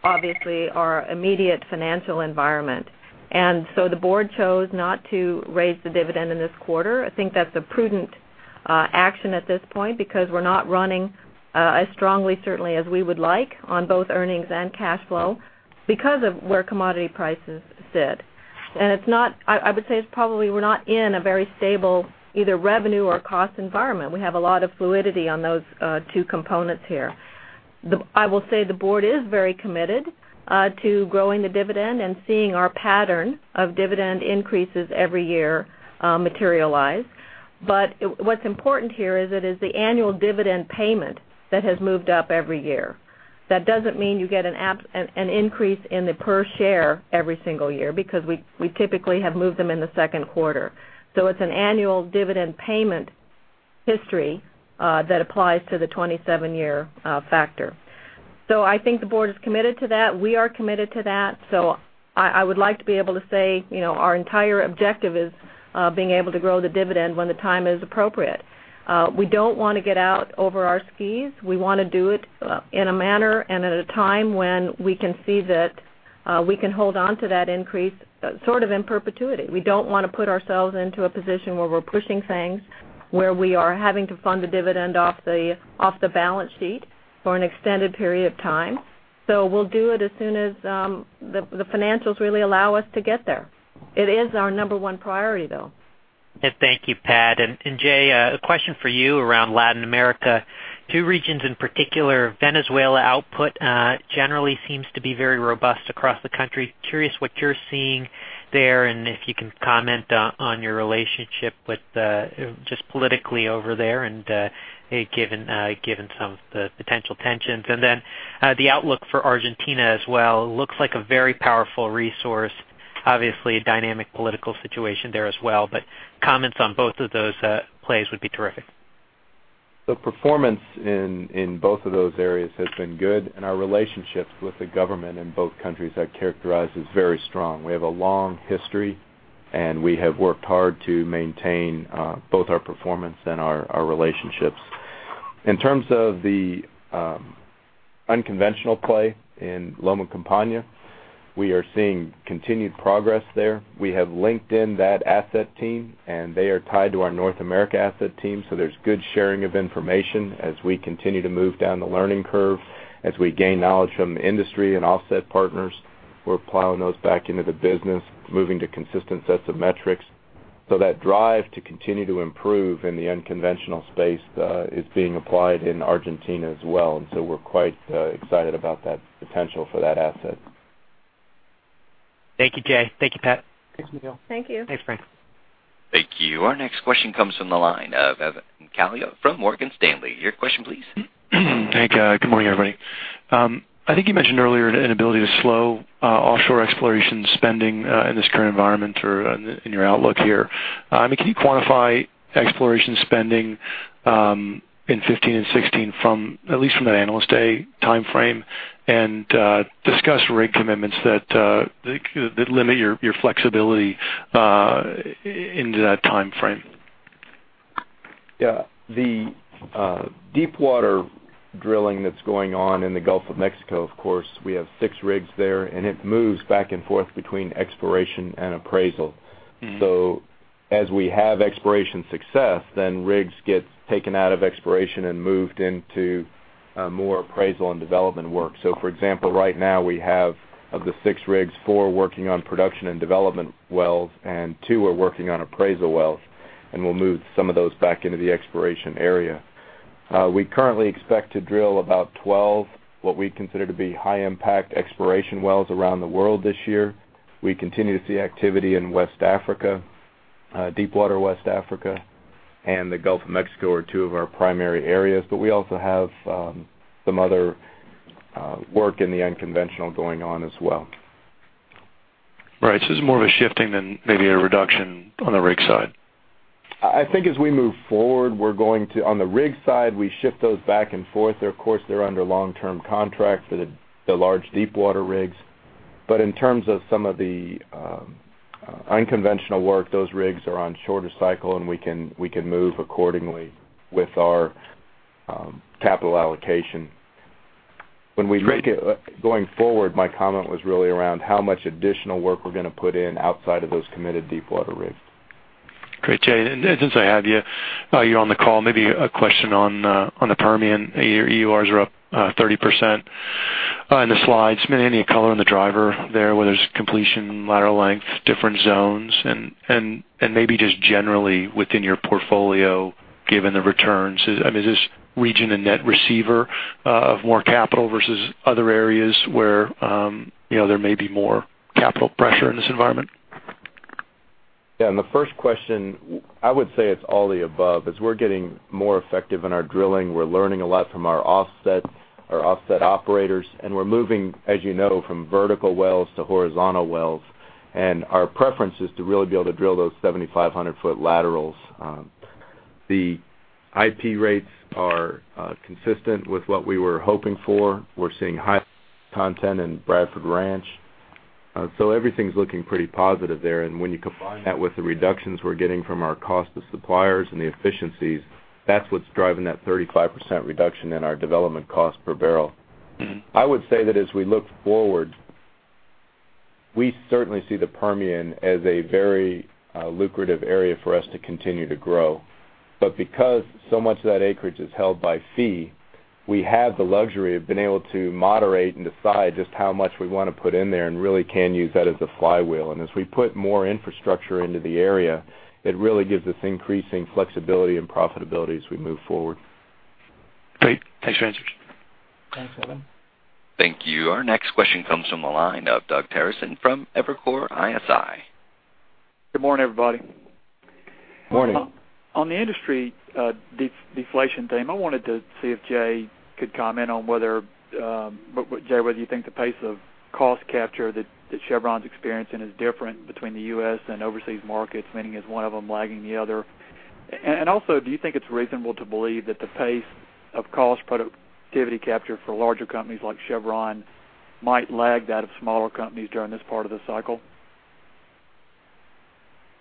obviously our immediate financial environment. The board chose not to raise the dividend in this quarter. I think that's a prudent action at this point because we're not running as strongly certainly as we would like on both earnings and cash flow because of where commodity prices sit. I would say probably we're not in a very stable either revenue or cost environment. We have a lot of fluidity on those two components here. I will say the board is very committed to growing the dividend and seeing our pattern of dividend increases every year materialize. What's important here is that it's the annual dividend payment that has moved up every year. That doesn't mean you get an increase in the per share every single year because we typically have moved them in the second quarter. It's an annual dividend payment history that applies to the 27-year factor. I think the board is committed to that. We are committed to that. I would like to be able to say our entire objective is being able to grow the dividend when the time is appropriate. We don't want to get out over our skis. We want to do it in a manner and at a time when we can see that we can hold on to that increase sort of in perpetuity. We don't want to put ourselves into a position where we're pushing things, where we are having to fund the dividend off the balance sheet for an extended period of time. We'll do it as soon as the financials really allow us to get there. It is our number one priority, though. Thank you, Pat. Jay, a question for you around Latin America. Two regions in particular, Venezuela output generally seems to be very robust across the country. Curious what you're seeing there and if you can comment on your relationship just politically over there and given some of the potential tensions. The outlook for Argentina as well. Looks like a very powerful resource. Obviously a dynamic political situation there as well, but comments on both of those plays would be terrific. The performance in both of those areas has been good. Our relationships with the government in both countries I'd characterize as very strong. We have a long history. We have worked hard to maintain both our performance and our relationships. In terms of the unconventional play in Loma Campana, we are seeing continued progress there. We have linked in that asset team. They are tied to our North America asset team. There's good sharing of information as we continue to move down the learning curve, as we gain knowledge from the industry and offset partners. We're plowing those back into the business, moving to consistent sets of metrics. That drive to continue to improve in the unconventional space is being applied in Argentina as well. We're quite excited about that potential for that asset. Thank you, Jay. Thank you, Pat. Thanks, Neil. Thanks, Frank. Thank you. Our next question comes from the line of Evan Calio from Morgan Stanley. Your question, please. Hey. Good morning, everybody. I think you mentioned earlier an ability to slow offshore exploration spending in this current environment or in your outlook here. Can you quantify exploration spending in 2015 and 2016 at least from that Analyst Day timeframe, and discuss rig commitments that limit your flexibility into that timeframe? Yeah. The deepwater drilling that's going on in the Gulf of Mexico, of course, we have six rigs there, and it moves back and forth between exploration and appraisal. As we have exploration success, then rigs get taken out of exploration and moved into more appraisal and development work. For example, right now we have, of the six rigs, four working on production and development wells, and two are working on appraisal wells, and we'll move some of those back into the exploration area. We currently expect to drill about 12, what we consider to be high impact exploration wells around the world this year. We continue to see activity in West Africa. Deepwater West Africa and the Gulf of Mexico are two of our primary areas, but we also have some other work in the unconventional going on as well. Right. This is more of a shifting than maybe a reduction on the rig side. I think as we move forward, on the rig side, we shift those back and forth. Of course, they're under long-term contracts for the large deepwater rigs. In terms of some of the unconventional work, those rigs are on shorter cycle, and we can move accordingly with our capital allocation. Going forward, my comment was really around how much additional work we're going to put in outside of those committed deepwater rigs. Great, Jay. Since I have you on the call, maybe a question on the Permian. Your EURs are up 30% in the slides. Any color on the driver there, whether it's completion, lateral length, different zones, and maybe just generally within your portfolio, given the returns. Is this region a net receiver of more capital versus other areas where there may be more capital pressure in this environment? Yeah, on the first question, I would say it's all the above. As we're getting more effective in our drilling, we're learning a lot from our offset operators, and we're moving, as you know, from vertical wells to horizontal wells, and our preference is to really be able to drill those 7,500-foot laterals. The IP rates are consistent with what we were hoping for. We're seeing high content in Bradford Ranch. Everything's looking pretty positive there. When you combine that with the reductions we're getting from our cost of suppliers and the efficiencies, that's what's driving that 35% reduction in our development cost per barrel. I would say that as we look forward, we certainly see the Permian as a very lucrative area for us to continue to grow. Because so much of that acreage is held by fee, we have the luxury of being able to moderate and decide just how much we want to put in there and really can use that as a flywheel. As we put more infrastructure into the area, it really gives us increasing flexibility and profitability as we move forward. Great. Thanks for the answers. Thanks, Evan. Thank you. Our next question comes from the line of Doug Terreson from Evercore ISI. Good morning, everybody. Morning. On the industry deflation theme, I wanted to see if Jay, whether you think the pace of cost capture that Chevron's experiencing is different between the U.S. and overseas markets, meaning is one of them lagging the other? Also, do you think it's reasonable to believe that the pace of cost productivity capture for larger companies like Chevron might lag that of smaller companies during this part of the cycle?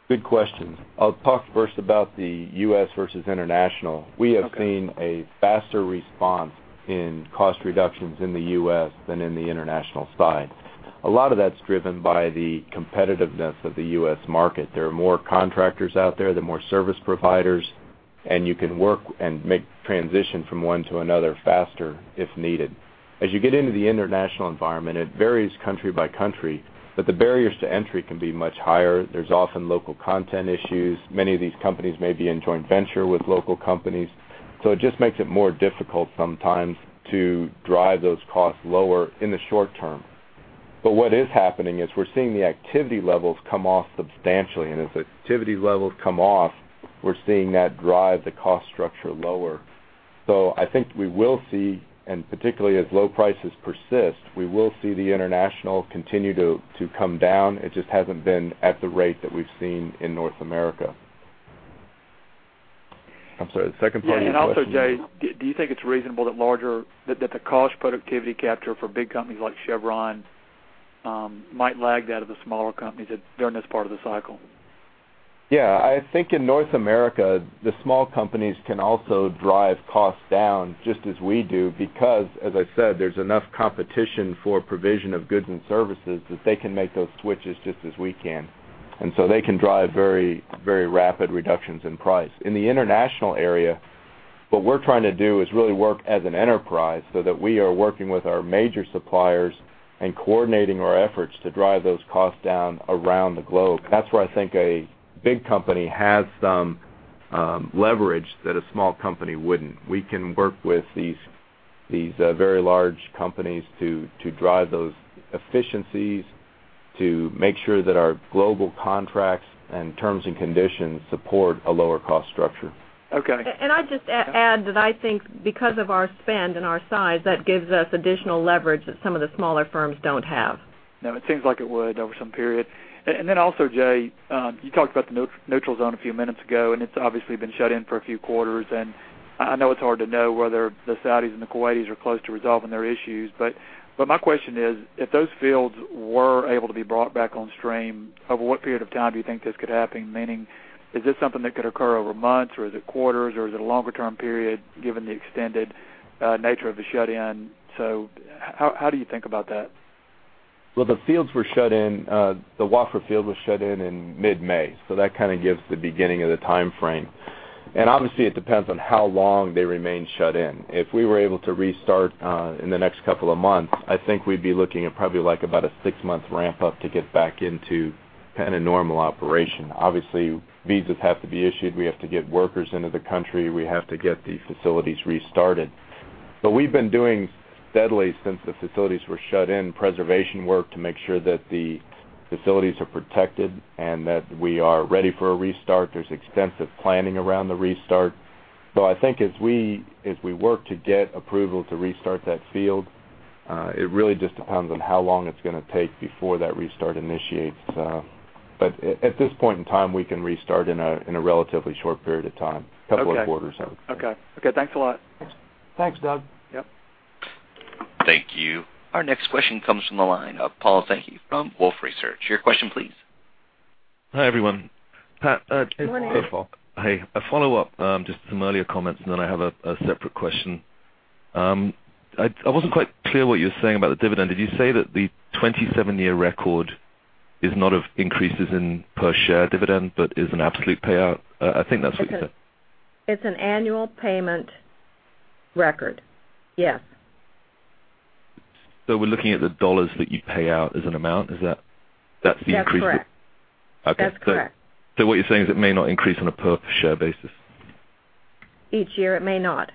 Good questions. I'll talk first about the U.S. versus international. Okay. We have seen a faster response in cost reductions in the U.S. than in the international side. A lot of that's driven by the competitiveness of the U.S. market. There are more contractors out there are more service providers, and you can work and make transition from one to another faster if needed. As you get into the international environment, it varies country by country, but the barriers to entry can be much higher. There's often local content issues. Many of these companies may be in joint venture with local companies. It just makes it more difficult sometimes to drive those costs lower in the short term. What is happening is we're seeing the activity levels come off substantially, and as activity levels come off, we're seeing that drive the cost structure lower. We will see, and particularly as low prices persist, we will see the international continue to come down. It just hasn't been at the rate that we've seen in North America. I'm sorry, the second part of your question? Jay, do you think it's reasonable that the cost productivity capture for big companies like Chevron might lag that of the smaller companies during this part of the cycle? I think in North America, the small companies can also drive costs down just as we do, because, as I said, there's enough competition for provision of goods and services that they can make those switches just as we can. They can drive very rapid reductions in price. In the international area, what we're trying to do is really work as an enterprise so that we are working with our major suppliers and coordinating our efforts to drive those costs down around the globe. That's where I think a big company has some leverage that a small company wouldn't. We can work with these very large companies to drive those efficiencies, to make sure that our global contracts and terms and conditions support a lower cost structure. Okay. I'd just add that I think because of our spend and our size, that gives us additional leverage that some of the smaller firms don't have. No, it seems like it would over some period. Jay, you talked about the neutral zone a few minutes ago, it's obviously been shut in for a few quarters, I know it's hard to know whether the Saudis and the Kuwaitis are close to resolving their issues, my question is, if those fields were able to be brought back on stream, over what period of time do you think this could happen? Meaning, is this something that could occur over months, or is it quarters, or is it a longer-term period, given the extended nature of the shut-in? How do you think about that? Well, the fields were shut in, the Wafra field was shut in in mid-May, that kind of gives the beginning of the time frame. Obviously, it depends on how long they remain shut in. If we were able to restart in the next couple of months, I think we'd be looking at probably about a six-month ramp up to get back into kind of normal operation. Obviously, visas have to be issued. We have to get workers into the country. We have to get these facilities restarted. We've been doing steadily since the facilities were shut in preservation work to make sure that the facilities are protected and that we are ready for a restart. There's extensive planning around the restart. I think as we work to get approval to restart that field, it really just depends on how long it's going to take before that restart initiates. At this point in time, we can restart in a relatively short period of time, couple of quarters, I would say. Okay. Thanks a lot. Thanks. Thanks, Doug. Yep. Thank you. Our next question comes from the line of Paul Sankey from Wolfe Research. Your question, please. Hi, everyone. Pat. Good morning. Hey, Paul. A follow-up, just some earlier comments, and then I have a separate question. I wasn't quite clear what you were saying about the dividend. Did you say that the 27-year record is not of increases in per share dividend, but is an absolute payout? I think that's what you said. It's an annual payment record. Yes. We're looking at the dollars that you pay out as an amount. Is that the increase? That's correct. Okay. That's correct. What you're saying is it may not increase on a per share basis. Each year, it may not.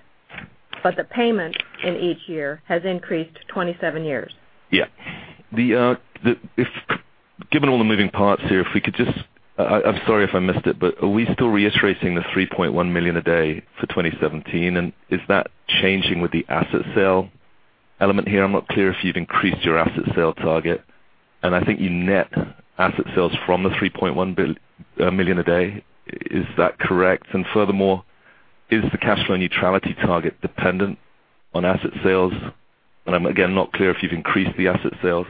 The payment in each year has increased 27 years. Given all the moving parts here, if we could just I'm sorry if I missed it, are we still reiterating the 3.1 million a day for 2017? Is that changing with the asset sale element here? I'm not clear if you've increased your asset sale target, I think you net asset sales from the 3.1 million a day. Is that correct? Furthermore, is the cash flow neutrality target dependent on asset sales? I'm, again, not clear if you've increased the asset sales.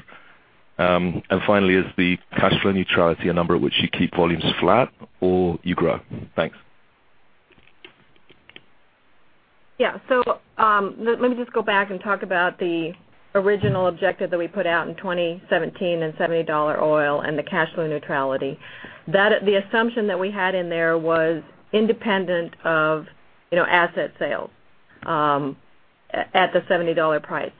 Finally, is the cash flow neutrality a number at which you keep volumes flat or you grow? Thanks. Let me just go back and talk about the original objective that we put out in 2017 and $70 oil and the cash flow neutrality. The assumption that we had in there was independent of asset sales at the $70 price.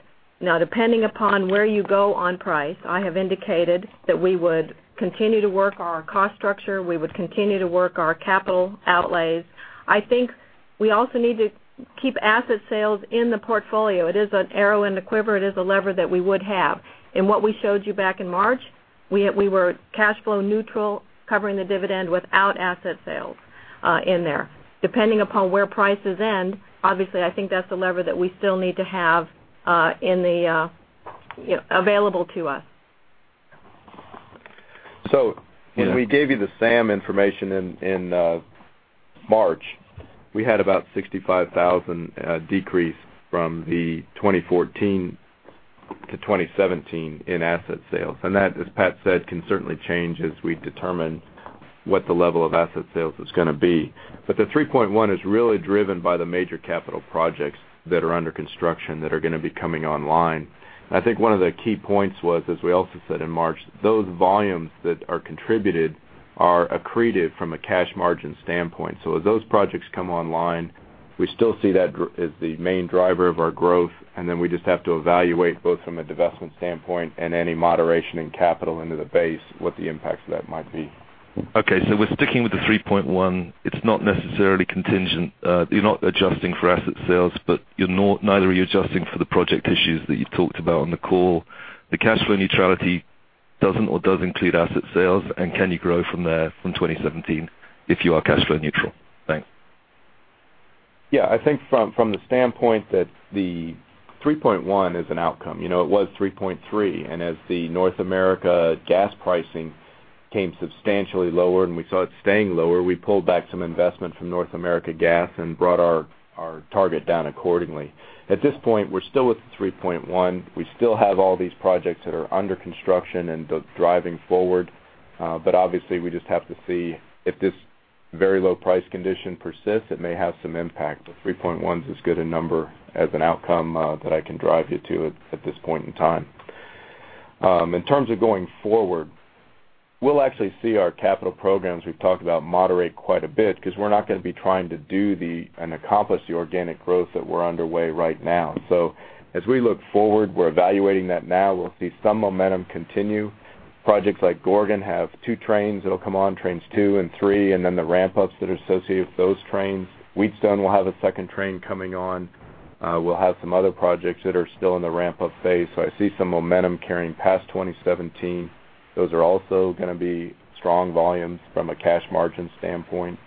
Depending upon where you go on price, I have indicated that we would continue to work our cost structure, we would continue to work our capital outlays. I think we also need to keep asset sales in the portfolio. It is an arrow in the quiver. It is a lever that we would have. In what we showed you back in March, we were cash flow neutral, covering the dividend without asset sales in there. Depending upon where prices end, obviously, I think that's a lever that we still need to have available to us. When we gave you the SAM information in March, we had about $65,000 decrease from the 2014 to 2017 in asset sales. That, as Pat said, can certainly change as we determine what the level of asset sales is going to be. The 3.1 is really driven by the major capital projects that are under construction that are going to be coming online. I think one of the key points was, as we also said in March, those volumes that are contributed are accreted from a cash margin standpoint. As those projects come online, we still see that as the main driver of our growth, and then we just have to evaluate both from a divestment standpoint and any moderation in capital into the base, what the impacts of that might be. We're sticking with the 3.1. It's not necessarily contingent. You're not adjusting for asset sales, neither are you adjusting for the project issues that you've talked about on the call. The cash flow neutrality doesn't or does include asset sales, can you grow from there, from 2017, if you are cash flow neutral? Thanks. I think from the standpoint that the 3.1 is an outcome. It was 3.3, as the North America Gas pricing came substantially lower, we saw it staying lower, we pulled back some investment from North America Gas and brought our target down accordingly. At this point, we're still at the 3.1. We still have all these projects that are under construction and driving forward. Obviously, we just have to see if this very low price condition persists, it may have some impact, 3.1 is as good a number as an outcome that I can drive you to at this point in time. In terms of going forward, we'll actually see our capital programs, we've talked about moderate quite a bit because we're not going to be trying to accomplish the organic growth that we're underway right now. As we look forward, we're evaluating that now. We'll see some momentum continue. Projects like Gorgon have 2 trains that'll come on, trains 2 and 3, and then the ramp-ups that are associated with those trains. Wheatstone will have a 2nd train coming on. We'll have some other projects that are still in the ramp-up phase. I see some momentum carrying past 2017. Those are also going to be strong volumes from a cash margin standpoint.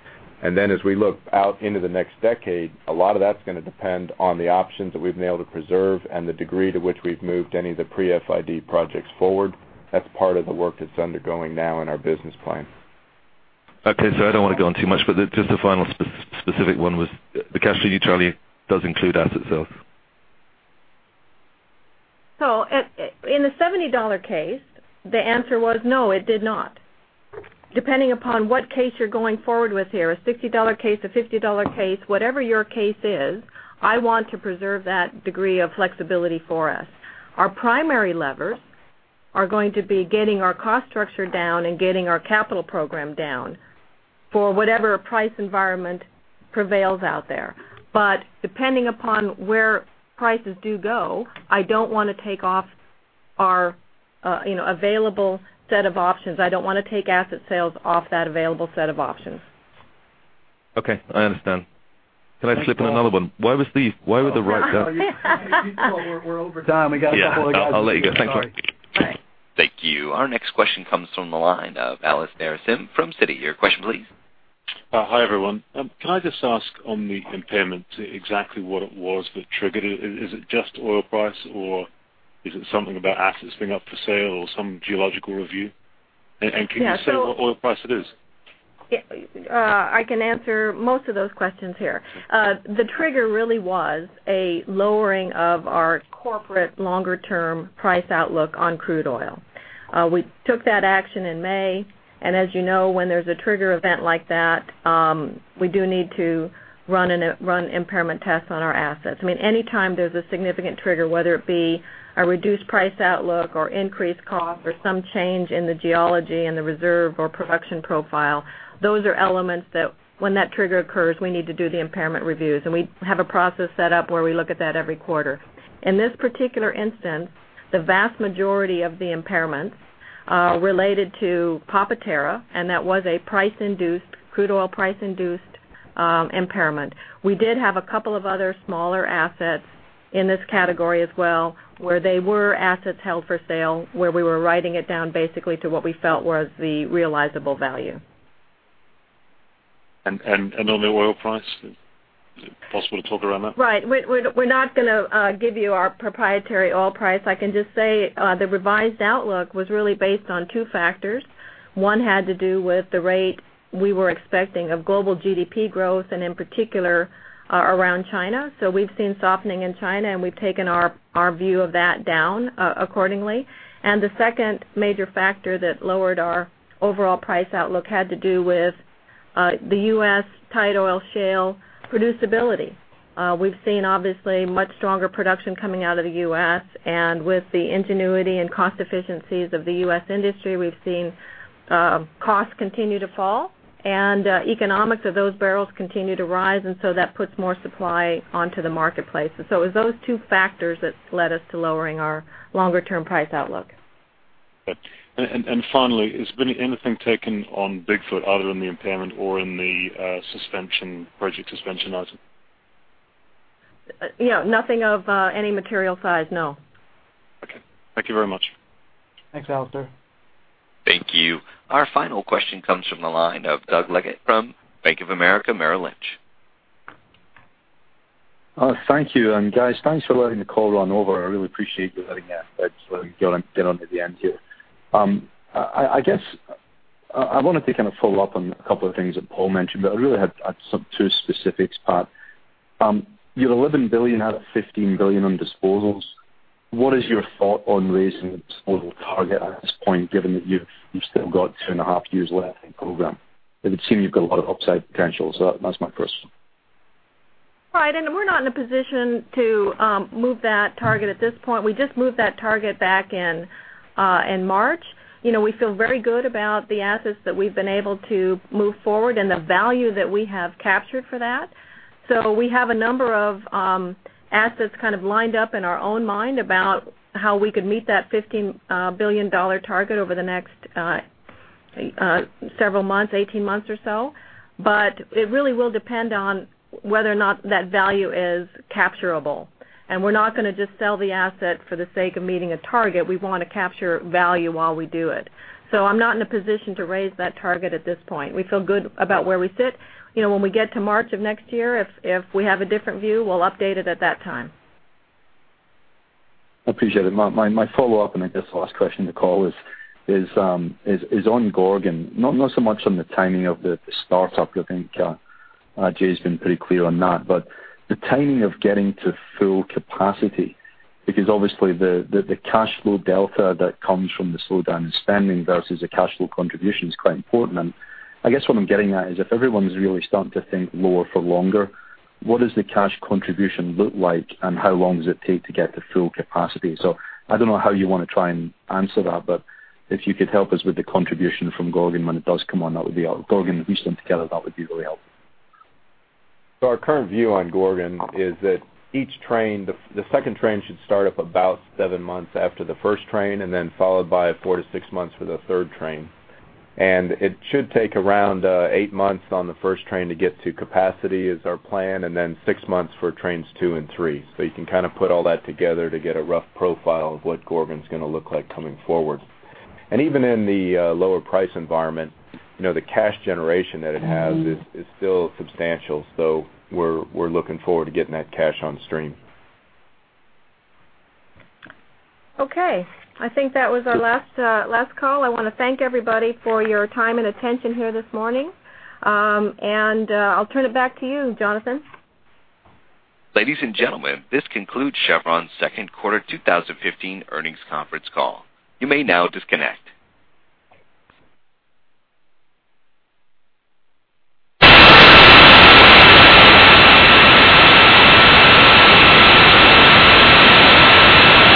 As we look out into the next decade, a lot of that's going to depend on the options that we've been able to preserve and the degree to which we've moved any of the pre-FID projects forward. That's part of the work that's undergoing now in our business plan. Okay. I don't want to go on too much, just a final specific one was, the cash flow neutrality does include asset sales? In the $70 case, the answer was no, it did not. Depending upon what case you're going forward with here, a $60 case, a $50 case, whatever your case is, I want to preserve that degree of flexibility for us. Our primary levers are going to be getting our cost structure down and getting our capital program down for whatever price environment prevails out there. Depending upon where prices do go, I don't want to take off our available set of options. I don't want to take asset sales off that available set of options. Okay. I understand. Can I slip in another one? Hey, Paul, we're over time. We got a couple of guys- Yeah. I'll let you go. Sorry. Sorry. Thank you. Our next question comes from the line of Alastair Syme from Citi. Your question please. Hi, everyone. Can I just ask on the impairment exactly what it was that triggered it? Is it just oil price, or is it something about assets being up for sale or some geological review? Can you say what oil price it is? I can answer most of those questions here. The trigger really was a lowering of our corporate longer term price outlook on crude oil. We took that action in May. As you know, when there's a trigger event like that, we do need to run impairment tests on our assets. I mean, anytime there's a significant trigger, whether it be a reduced price outlook or increased cost or some change in the geology and the reserve or production profile, those are elements that when that trigger occurs, we need to do the impairment reviews. We have a process set up where we look at that every quarter. In this particular instance, the vast majority of the impairments related to Papa-Terra, that was a crude oil price-induced impairment. We did have a couple of other smaller assets in this category as well, where they were assets held for sale, where we were writing it down basically to what we felt was the realizable value. On the oil price, is it possible to talk around that? Right. We're not going to give you our proprietary oil price. I can just say, the revised outlook was really based on two factors. One had to do with the rate we were expecting of global GDP growth, and in particular, around China. We've seen softening in China, and we've taken our view of that down accordingly. The second major factor that lowered our overall price outlook had to do with the U.S. tight oil shale producibility. We've seen, obviously, much stronger production coming out of the U.S., and with the ingenuity and cost efficiencies of the U.S. industry, we've seen costs continue to fall and economics of those barrels continue to rise, that puts more supply onto the marketplace. It was those two factors that led us to lowering our longer-term price outlook. Finally, has been anything taken on Big Foot other than the impairment or in the project suspension item? Nothing of any material size, no. Okay. Thank you very much. Thanks, Alastair. Thank you. Our final question comes from the line of Doug Leggate from Bank of America Merrill Lynch. Thank you. Guys, thanks for letting the call run over. I really appreciate you letting us get on to the end here. I wanted to follow up on a couple of things that Paul mentioned, but I really have two specifics, Pat. You're $11 billion out of $15 billion on disposals. What is your thought on raising the disposal target at this point, given that you've still got two and a half years left in program? It would seem you've got a lot of upside potential. That's my first. Right. We're not in a position to move that target at this point. We just moved that target back in March. We feel very good about the assets that we've been able to move forward and the value that we have captured for that. We have a number of assets kind of lined up in our own mind about how we could meet that $15 billion target over the next several months, 18 months or so. It really will depend on whether or not that value is capturable. We're not going to just sell the asset for the sake of meeting a target. We want to capture value while we do it. I'm not in a position to raise that target at this point. We feel good about where we sit. When we get to March of next year, if we have a different view, we'll update it at that time. Appreciate it. My follow-up, I guess the last question to call is on Gorgon, not so much on the timing of the startup. I think Jay's been pretty clear on that. The timing of getting to full capacity, because obviously the cash flow delta that comes from the slowdown in spending versus the cash flow contribution is quite important. I guess what I'm getting at is if everyone's really starting to think lower for longer, what does the cash contribution look like and how long does it take to get to full capacity? I don't know how you want to try and answer that, but if you could help us with the contribution from Gorgon when it does come on, Gorgon and Wheatstone together, that would be really helpful. Our current view on Gorgon is that each train, the second train should start up about seven months after the first train, then followed by 4-6 months for the third train. It should take around eight months on the first train to get to capacity is our plan, then six months for trains 2 and 3. You can kind of put all that together to get a rough profile of what Gorgon's going to look like coming forward. Even in the lower price environment, the cash generation that it has is still substantial. We're looking forward to getting that cash on stream. Okay. I think that was our last call. I want to thank everybody for your time and attention here this morning. I'll turn it back to you, Jonathan. Ladies and gentlemen, this concludes Chevron's second quarter 2015 earnings conference call. You may now disconnect.